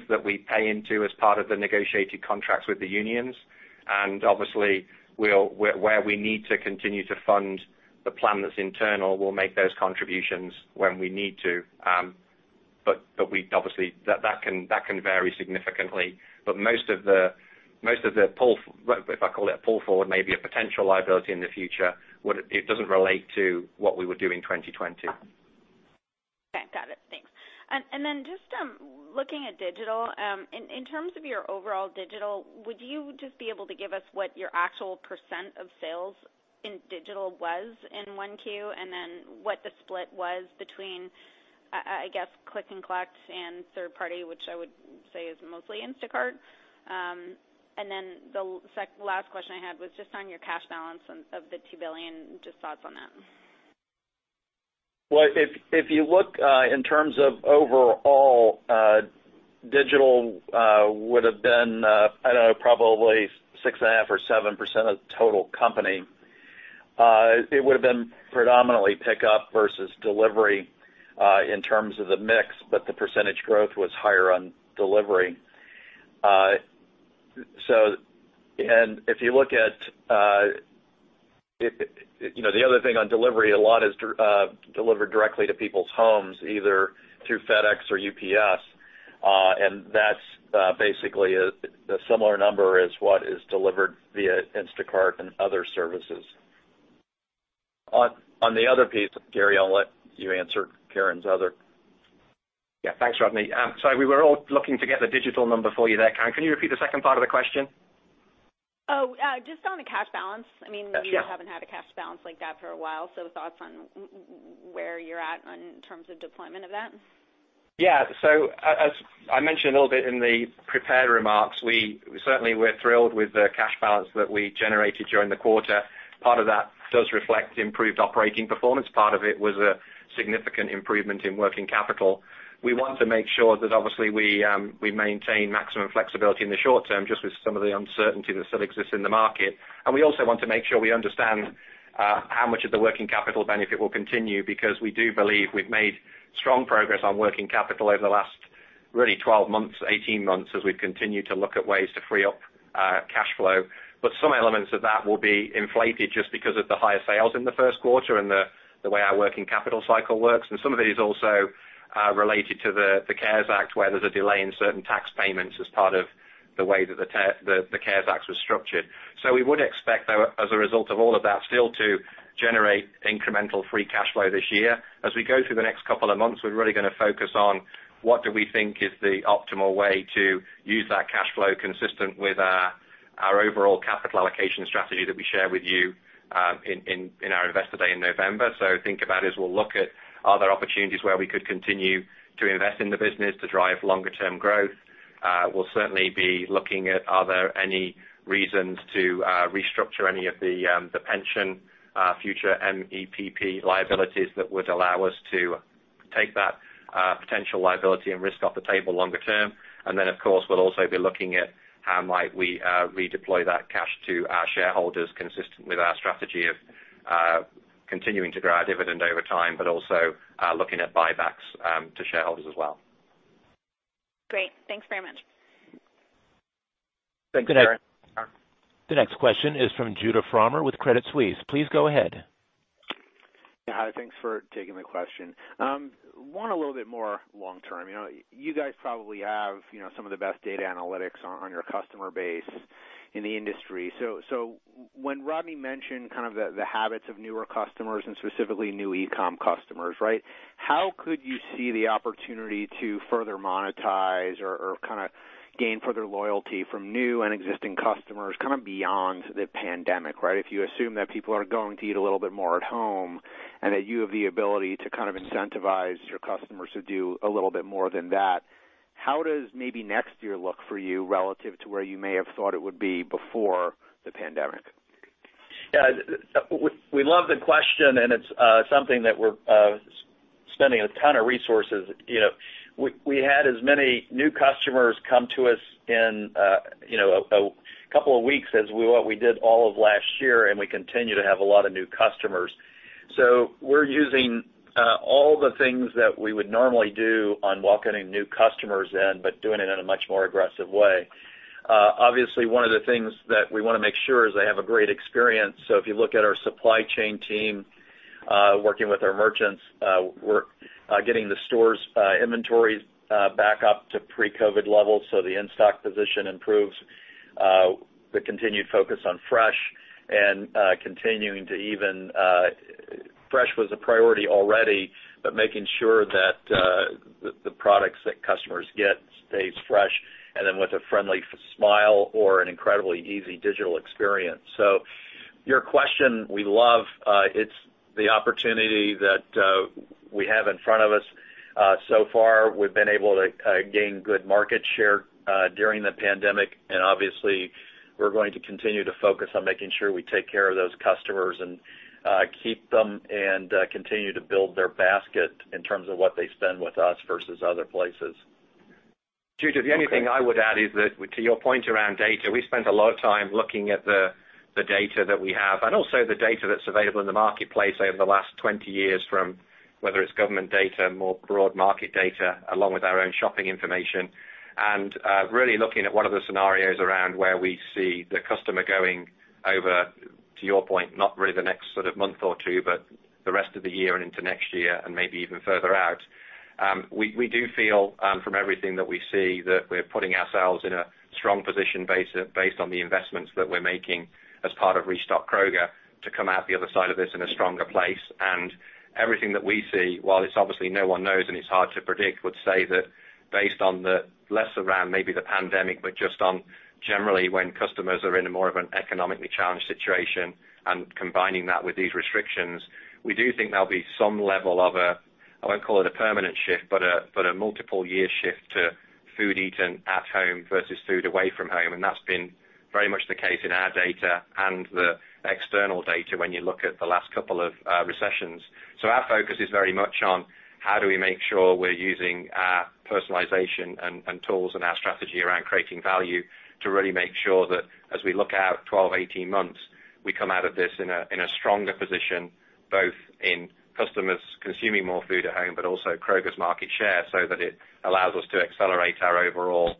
that we pay into as part of the negotiated contracts with the unions. Obviously, where we need to continue to fund the plan that's internal, we'll make those contributions when we need to. Obviously, that can vary significantly. Most of the pull forward, if I call it a pull forward, maybe a potential liability in the future, it doesn't relate to what we were doing 2020. Okay. Got it. Thanks. Just looking at digital, in terms of your overall digital, would you just be able to give us what your actual % of sales in digital was in 1Q? What the split was between, I guess, click and collect and third party, which I would say is mostly Instacart. The last question I had was just on your cash balance of the $2 billion, just thoughts on that. Well, if you look in terms of overall, digital would have been, I don't know, probably six and a half or 7% of the total company. It would've been predominantly pickup versus delivery, in terms of the mix, but the % growth was higher on delivery. The other thing on delivery, a lot is delivered directly to people's homes, either through FedEx or UPS. That's basically a similar number as what is delivered via Instacart and other services. On the other piece, Gary, I'll let you answer Karen's other. Yeah, thanks, Rodney. Sorry, we were all looking to get the digital number for you there, Karen. Can you repeat the second part of the question? Oh, just on the cash balance. Yeah. You haven't had a cash balance like that for a while. Thoughts on where you're at in terms of deployment of that. Yeah. As I mentioned a little bit in the prepared remarks, certainly we're thrilled with the cash balance that we generated during the quarter. Part of that does reflect improved operating performance. Part of it was a significant improvement in working capital. We want to make sure that obviously we maintain maximum flexibility in the short term, just with some of the uncertainty that still exists in the market. We also want to make sure we understand how much of the working capital benefit will continue because we do believe we've made strong progress on working capital over the last really 12 months, 18 months as we've continued to look at ways to free up cash flow. Some elements of that will be inflated just because of the higher sales in the first quarter and the way our working capital cycle works. Some of it is also related to the CARES Act, where there's a delay in certain tax payments as part of the way that the CARES Act was structured. We would expect, though, as a result of all of that, still to generate incremental free cash flow this year. As we go through the next couple of months, we're really going to focus on what do we think is the optimal way to use that cash flow consistent with our overall capital allocation strategy that we share with you in our Investor Day in November. Think about as we'll look at are there opportunities where we could continue to invest in the business to drive longer term growth? We'll certainly be looking at are there any reasons to restructure any of the pension future MEPP liabilities that would allow us to take that potential liability and risk off the table longer term. Then, of course, we'll also be looking at how might we redeploy that cash to our shareholders consistent with our strategy of continuing to grow our dividend over time, but also looking at buybacks to shareholders as well. Great. Thanks very much. Thanks, Karen. The next question is from Judah Frommer with Credit Suisse. Please go ahead. Hi. Thanks for taking the question. One a little bit more long-term. You guys probably have some of the best data analytics on your customer base in the industry. When Rodney mentioned kind of the habits of newer customers, and specifically new e-com customers, how could you see the opportunity to further monetize or kind of gain further loyalty from new and existing customers kind of beyond the pandemic? If you assume that people are going to eat a little bit more at home, and that you have the ability to kind of incentivize your customers to do a little bit more than that, how does maybe next year look for you relative to where you may have thought it would be before the pandemic? Yeah. We love the question, and it's something that we're spending a ton of resources. We had as many new customers come to us in a couple of weeks as what we did all of last year, and we continue to have a lot of new customers. We're using all the things that we would normally do on welcoming new customers in, but doing it in a much more aggressive way. Obviously, one of the things that we want to make sure is they have a great experience. If you look at our supply chain team working with our merchants, we're getting the stores' inventories back up to pre-COVID levels, so the in-stock position improves. The continued focus on fresh and continuing to fresh was a priority already, but making sure that the products that customers get stays fresh, and then with a friendly smile or an incredibly easy digital experience. Your question, we love. It's the opportunity that we have in front of us. Far, we've been able to gain good market share during the pandemic, and obviously, we're going to continue to focus on making sure we take care of those customers and keep them and continue to build their basket in terms of what they spend with us versus other places. Judah, the only thing I would add is that to your point around data, we spent a lot of time looking at the data that we have and also the data that's available in the marketplace over the last 20 years from, whether it's government data, more broad market data, along with our own shopping information. Really looking at what are the scenarios around where we see the customer going over, to your point, not really the next sort of month or two, but the rest of the year and into next year and maybe even further out. We do feel from everything that we see that we're putting ourselves in a strong position based on the investments that we're making as part of Restock Kroger to come out the other side of this in a stronger place. Everything that we see, while it's obviously no one knows and it's hard to predict, would say that based on the less around maybe the pandemic, but just on generally when customers are in a more of an economically challenged situation and combining that with these restrictions, we do think there'll be some level of a, I won't call it a permanent shift, but a multiple year shift to food eaten at home versus food away from home. That's been very much the case in our data and the external data when you look at the last couple of recessions. Our focus is very much on how do we make sure we're using our personalization and tools and our strategy around creating value to really make sure that as we look out 12, 18 months, we come out of this in a stronger position, both in customers consuming more food at home, but also Kroger's market share, that it allows us to accelerate our overall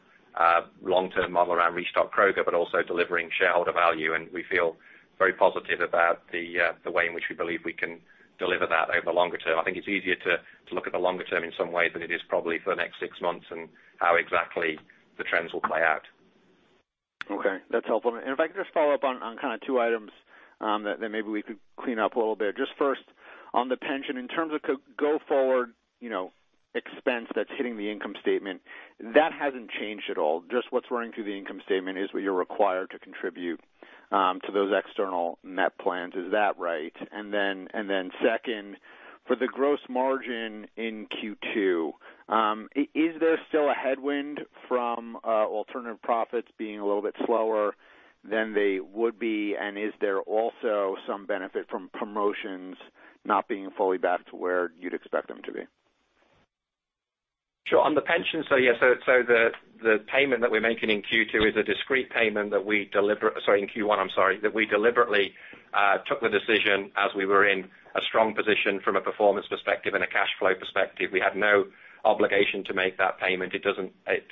long-term model around Restock Kroger, but also delivering shareholder value. We feel very positive about the way in which we believe we can deliver that over the longer term. I think it's easier to look at the longer term in some ways than it is probably for the next six months and how exactly the trends will play out. Okay. That's helpful. If I could just follow up on kind of two items that maybe we could clean up a little bit. Just first, on the pension, in terms of go forward expense that's hitting the income statement, that hasn't changed at all. Just what's running through the income statement is what you're required to contribute to those external MEP plans. Is that right? Then second, for the gross margin in Q2, is there still a headwind from alternative profits being a little bit slower than they would be? Is there also some benefit from promotions not being fully back to where you'd expect them to be? Sure. On the pension, the payment that we're making in Q1 is a discrete payment that we deliberately took the decision as we were in a strong position from a performance perspective and a cash flow perspective. We had no obligation to make that payment. It does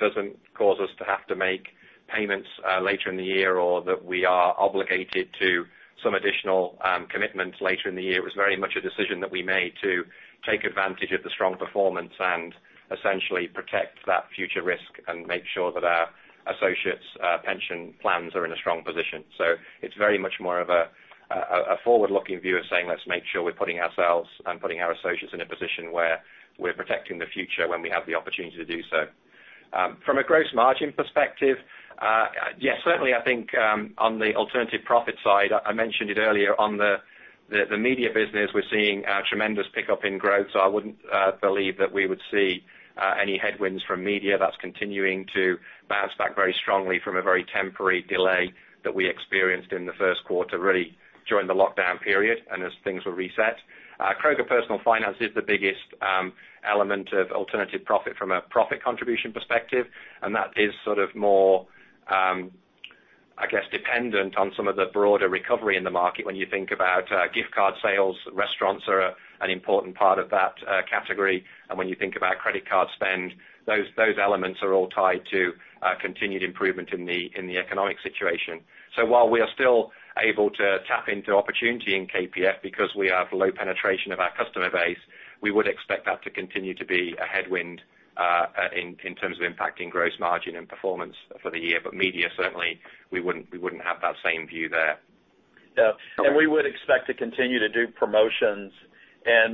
not cause us to have to make payments later in the year or that we are obligated to some additional commitments later in the year. It was very much a decision that we made to take advantage of the strong performance and essentially protect that future risk and make sure that our associates' pension plans are in a strong position. It's very much more of a forward-looking view of saying, let's make sure we're putting ourselves and putting our associates in a position where we're protecting the future when we have the opportunity to do so. From a gross margin perspective, yes, certainly I think on the alternative profit side, I mentioned it earlier on the media business, we're seeing a tremendous pickup in growth. I wouldn't believe that we would see any headwinds from media. That's continuing to bounce back very strongly from a very temporary delay that we experienced in the first quarter, really during the lockdown period and as things were reset. Kroger Personal Finance is the biggest element of alternative profit from a profit contribution perspective, and that is sort of more, I guess, dependent on some of the broader recovery in the market. When you think about gift card sales, restaurants are an important part of that category. When you think about credit card spend, those elements are all tied to continued improvement in the economic situation. While we are still able to tap into opportunity in KPF because we have low penetration of our customer base, we would expect that to continue to be a headwind in terms of impacting gross margin and performance for the year. Media, certainly, we wouldn't have that same view there. Yeah. We would expect to continue to do promotions.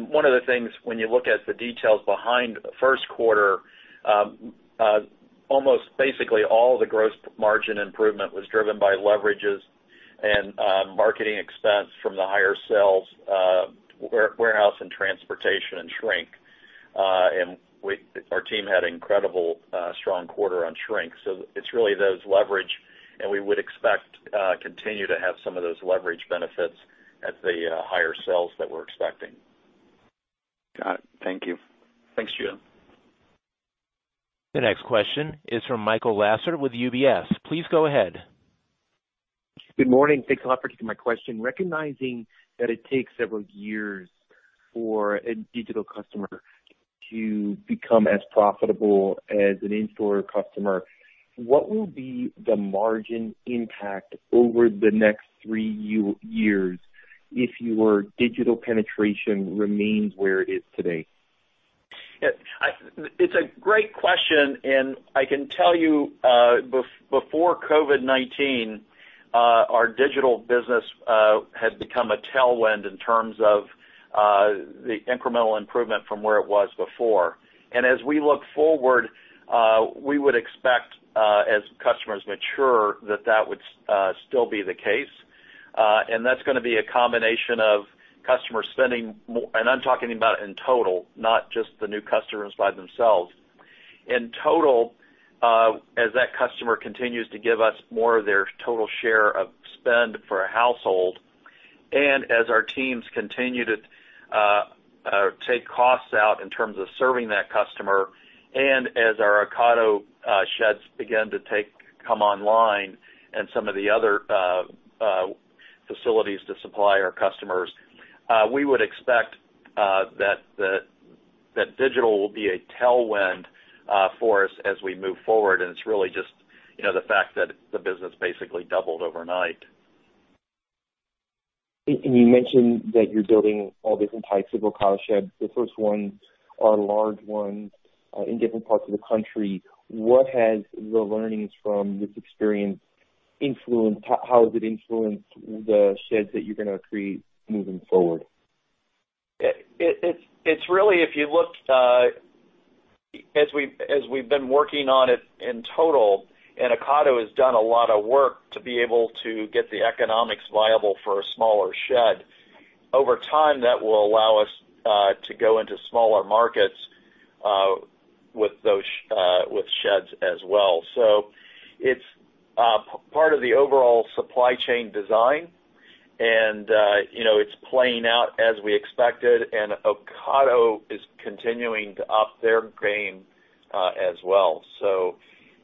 One of the things when you look at the details behind the first quarter, almost basically all the gross margin improvement was driven by leverages and marketing expense from the higher sales, warehouse and transportation, and shrink. Our team had incredible strong quarter on shrink. It's really those leverage, we would expect continue to have some of those leverage benefits at the higher sales that we're expecting. Got it. Thank you. Thanks, Judah. The next question is from Michael Lasser with UBS. Please go ahead. Good morning. Thanks a lot for taking my question. Recognizing that it takes several years for a digital customer to become as profitable as an in-store customer, what will be the margin impact over the next three years if your digital penetration remains where it is today? It's a great question. I can tell you, before COVID-19, our digital business had become a tailwind in terms of the incremental improvement from where it was before. As we look forward, we would expect, as customers mature, that that would still be the case. That's going to be a combination of customer spending more. I'm talking about in total, not just the new customers by themselves. In total, as that customer continues to give us more of their total share of spend for a household, as our teams continue to take costs out in terms of serving that customer, as our Ocado sheds begin to come online and some of the other facilities to supply our customers, we would expect that digital will be a tailwind for us as we move forward. It's really just the fact that the business basically doubled overnight. You mentioned that you're building all different types of Ocado sheds. The first ones are large ones in different parts of the country. What has the learnings from this experience influenced? How has it influenced the sheds that you're going to create moving forward? It's really, if you look, as we've been working on it in total, Ocado has done a lot of work to be able to get the economics viable for a smaller shed. Over time, that will allow us to go into smaller markets, with sheds as well. It's part of the overall supply chain design and it's playing out as we expected Ocado is continuing to up their game, as well.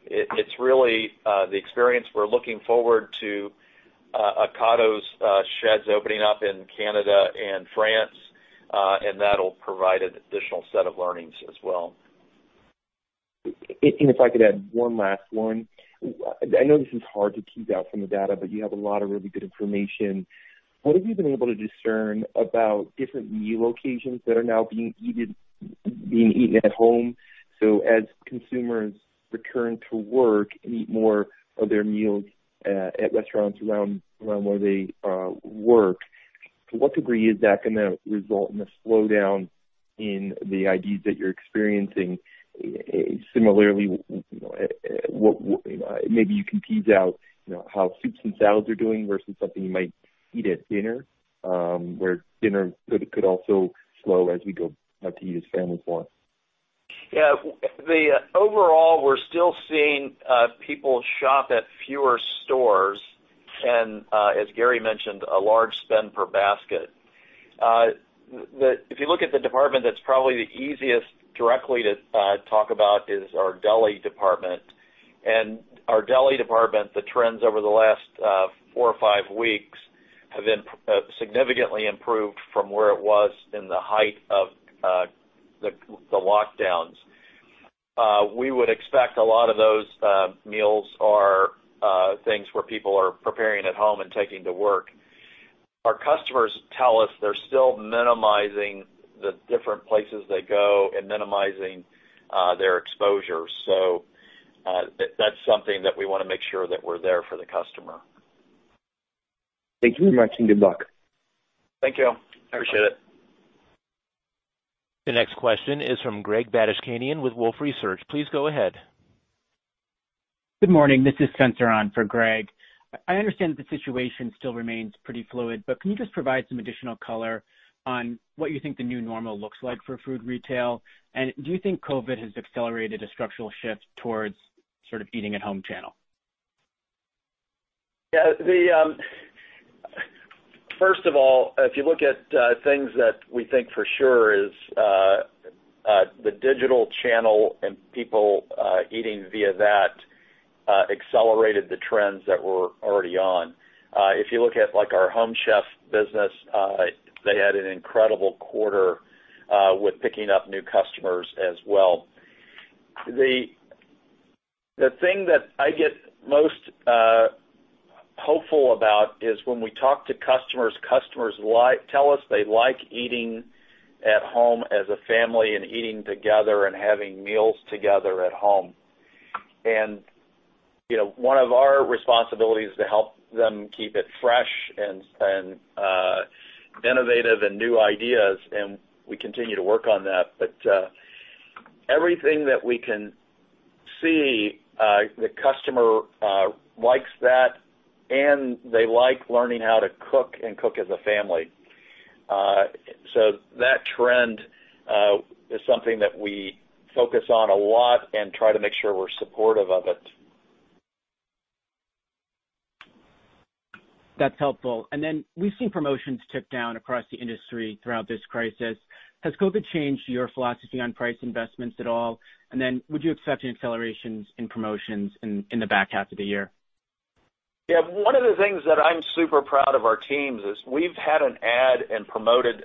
It's really the experience. We're looking forward to Ocado's sheds opening up in Canada and France, that'll provide an additional set of learnings as well. If I could add one last one. I know this is hard to tease out from the data, you have a lot of really good information. What have you been able to discern about different meal occasions that are now being eaten at home? As consumers return to work and eat more of their meals at restaurants around where they work, to what degree is that going to result in a slowdown in the IDs that you're experiencing? Similarly, maybe you can tease out how soups and salads are doing versus something you might eat at dinner, where dinner could also slow as we go out to eat as families more. Yeah. Overall, we're still seeing people shop at fewer stores, as Gary mentioned, a large spend per basket. If you look at the department that's probably the easiest directly to talk about is our deli department. Our deli department, the trends over the last four or five weeks have been significantly improved from where it was in the height of the lockdowns. We would expect a lot of those meals are things where people are preparing at home and taking to work. Our customers tell us they're still minimizing the different places they go and minimizing their exposure. That's something that we want to make sure that we're there for the customer. Thank you very much, and good luck. Thank you. Appreciate it. The next question is from Greg Badishkanian with Wolfe Research. Please go ahead. Good morning. This is Spencer on for Greg. I understand that the situation still remains pretty fluid, but can you just provide some additional color on what you think the new normal looks like for food retail? Do you think COVID has accelerated a structural shift towards sort of eating at home channel? Yeah. First of all, if you look at things that we think for sure is the digital channel and people eating via that, accelerated the trends that were already on. If you look at our Home Chef business, they had an incredible quarter with picking up new customers as well. The thing that I get most hopeful about is when we talk to customers tell us they like eating at home as a family and eating together and having meals together at home. One of our responsibility is to help them keep it fresh and innovative and new ideas, and we continue to work on that. Everything that we can see, the customer likes that and they like learning how to cook and cook as a family. That trend is something that we focus on a lot and try to make sure we're supportive of it. That's helpful. We've seen promotions tick down across the industry throughout this crisis. Has COVID changed your philosophy on price investments at all? Would you accept any accelerations in promotions in the back half of the year? Yeah. One of the things that I'm super proud of our teams is we've had an ad and promoted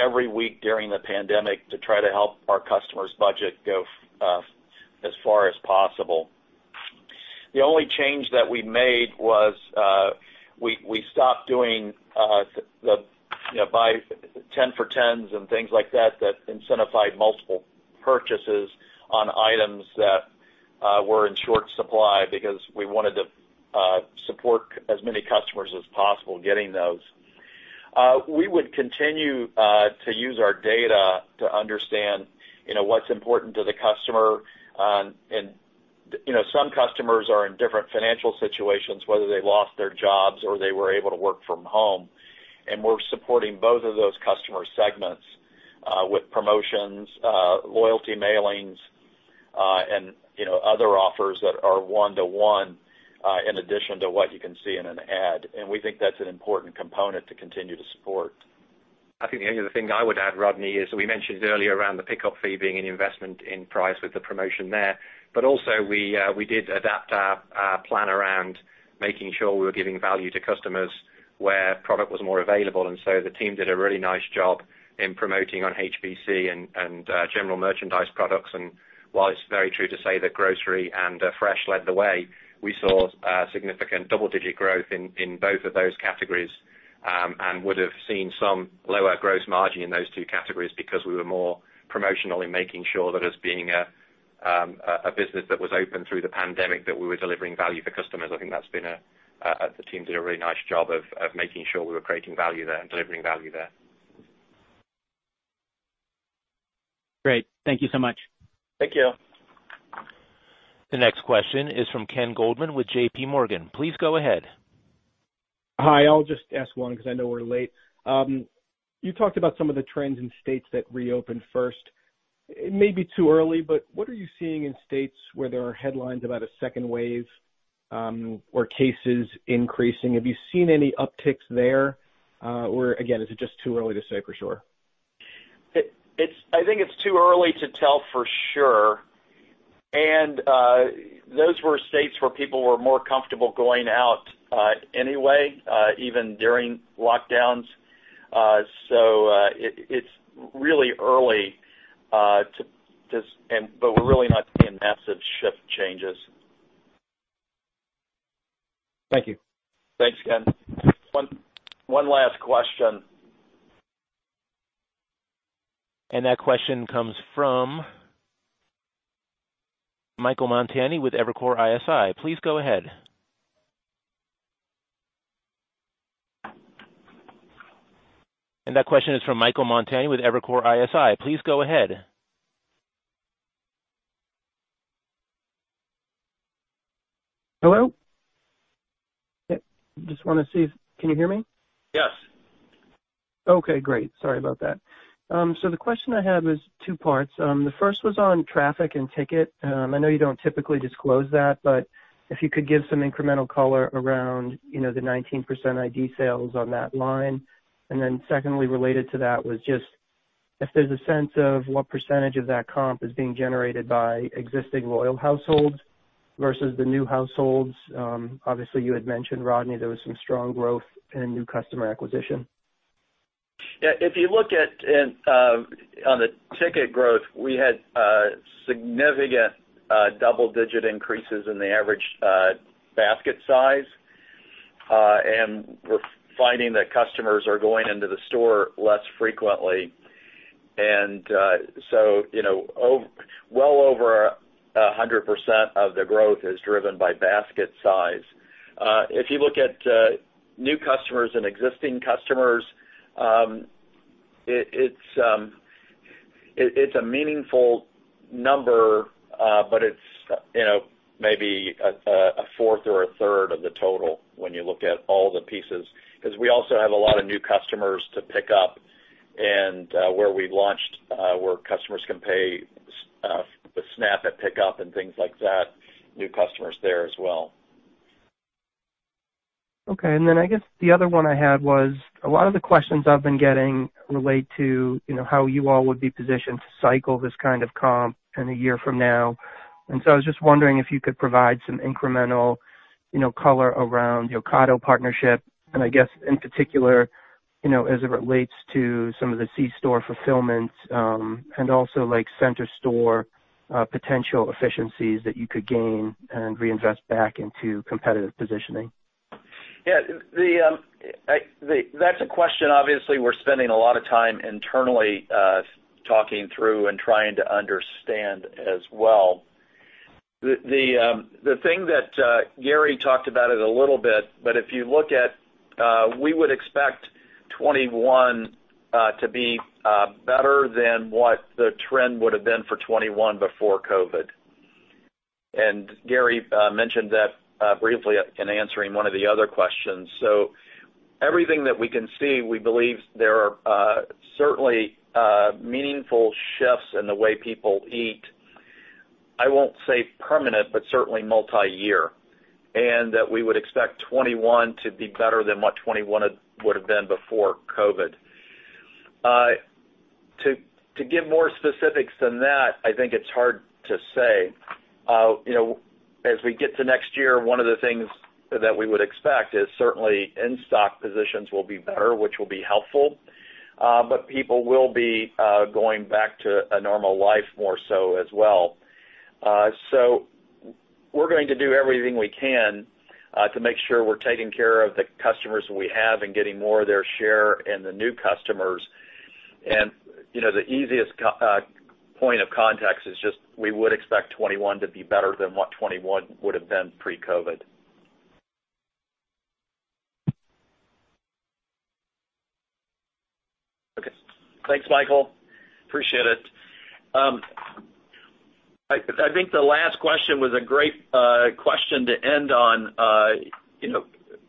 every week during the pandemic to try to help our customers' budget go as far as possible. The only change that we made was we stopped doing the buy 10 for 10s and things like that incentivized multiple purchases on items that were in short supply because we wanted to support as many customers as possible getting those. We would continue to use our data to understand what's important to the customer. Some customers are in different financial situations, whether they lost their jobs or they were able to work from home. We're supporting both of those customer segments with promotions, loyalty mailings, and other offers that are one-to-one, in addition to what you can see in an ad. We think that's an important component to continue to support. I think the only other thing I would add, Rodney, is we mentioned earlier around the pickup fee being an investment in price with the promotion there. Also we did adapt our plan around making sure we were giving value to customers where product was more available. So the team did a really nice job in promoting on HBC and general merchandise products. While it's very true to say that grocery and fresh led the way, we saw significant double-digit growth in both of those categories. Would've seen some lower gross margin in those two categories because we were more promotionally making sure that as being a business that was open through the pandemic, that we were delivering value for customers. I think the team did a really nice job of making sure we were creating value there and delivering value there. Great. Thank you so much. Thank you. The next question is from Ken Goldman with J.P. Morgan. Please go ahead. Hi. I'll just ask one because I know we're late. You talked about some of the trends in states that reopened first. It may be too early, but what are you seeing in states where there are headlines about a second wave, or cases increasing? Have you seen any upticks there? Again, is it just too early to say for sure? I think it's too early to tell for sure. Those were states where people were more comfortable going out anyway, even during lockdowns. It's really early, but we're really not seeing massive shift changes. Thank you. Thanks, Ken. One last question. That question comes from Michael Montani with Evercore ISI. Please go ahead. Hello? Just want to see. Can you hear me? Yes. Okay, great. Sorry about that. The question I have is two parts. The first was on traffic and ticket. I know you don't typically disclose that, but if you could give some incremental color around the 19% ID sales on that line. Secondly, related to that was just if there's a sense of what percentage of that comp is being generated by existing loyal households versus the new households. Obviously, you had mentioned, Rodney, there was some strong growth in new customer acquisition. Yeah. If you look on the ticket growth, we had significant double-digit increases in the average basket size. We're finding that customers are going into the store less frequently. Well over 100% of the growth is driven by basket size. If you look at new customers and existing customers, it's a meaningful number, but it's maybe a fourth or a third of the total when you look at all the pieces. We also have a lot of new customers to pick up and where we've launched where customers can pay with SNAP at pickup and things like that, new customers there as well. Okay. I guess the other one I had was, a lot of the questions I've been getting relate to how you all would be positioned to cycle this kind of comp in a year from now. I was just wondering if you could provide some incremental color around the Ocado partnership, and I guess in particular, as it relates to some of the C-store fulfillments, and also center store potential efficiencies that you could gain and reinvest back into competitive positioning. Yeah. That's a question, obviously, we're spending a lot of time internally talking through and trying to understand as well. The thing that Gary talked about it a little bit, but if you look at, we would expect 2021 to be better than what the trend would've been for 2021 before COVID. Gary mentioned that briefly in answering one of the other questions. Everything that we can see, we believe there are certainly meaningful shifts in the way people eat, I won't say permanent, but certainly multi-year. That we would expect 2021 to be better than what 2021 would've been before COVID. To give more specifics than that, I think it's hard to say. As we get to next year, one of the things that we would expect is certainly in-stock positions will be better, which will be helpful. People will be going back to a normal life more so as well. We're going to do everything we can to make sure we're taking care of the customers we have and getting more of their share and the new customers. The easiest point of contact is just we would expect 2021 to be better than what 2021 would've been pre-COVID. Okay. Thanks, Michael. Appreciate it. I think the last question was a great question to end on.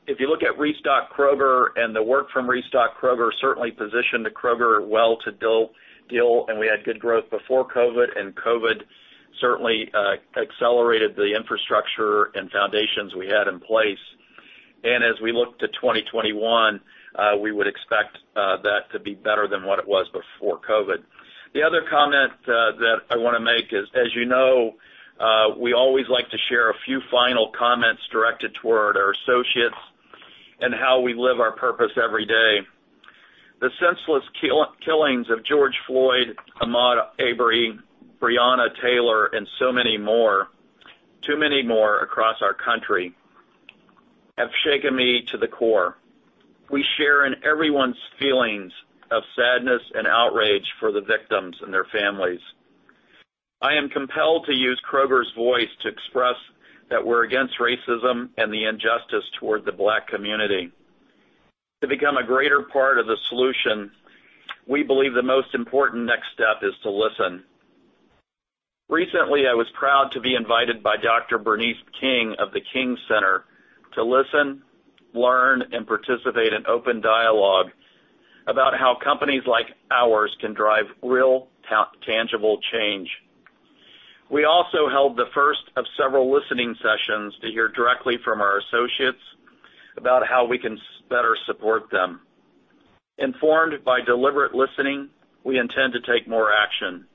If you look at Restock Kroger and the work from Restock Kroger certainly positioned Kroger well to deal, and we had good growth before COVID, and COVID certainly accelerated the infrastructure and foundations we had in place. As we look to 2021, we would expect that to be better than what it was before COVID. The other comment that I want to make is, as you know, we always like to share a few final comments directed toward our associates and how we live our purpose every day. The senseless killings of George Floyd, Ahmaud Arbery, Breonna Taylor, and so many more, too many more across our country, have shaken me to the core. We share in everyone's feelings of sadness and outrage for the victims and their families. I am compelled to use Kroger's voice to express that we're against racism and the injustice toward the Black community. To become a greater part of the solution, we believe the most important next step is to listen. Recently, I was proud to be invited by Dr. Bernice King of The King Center to listen, learn, and participate in open dialogue about how companies like ours can drive real, tangible change. We also held the first of several listening sessions to hear directly from our associates about how we can better support them. Informed by deliberate listening, we intend to take more action.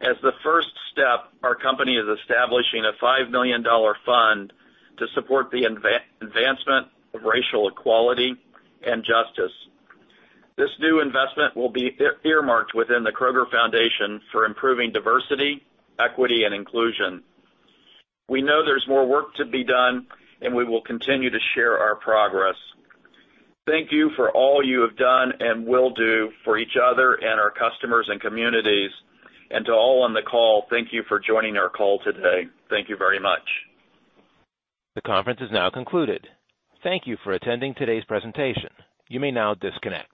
As the first step, our company is establishing a $5 million fund to support the advancement of racial equality and justice. This new investment will be earmarked within the Kroger Foundation for improving diversity, equity, and inclusion. We know there's more work to be done, and we will continue to share our progress. Thank you for all you have done and will do for each other and our customers and communities. To all on the call, thank you for joining our call today. Thank you very much. The conference is now concluded. Thank you for attending today's presentation. You may now disconnect.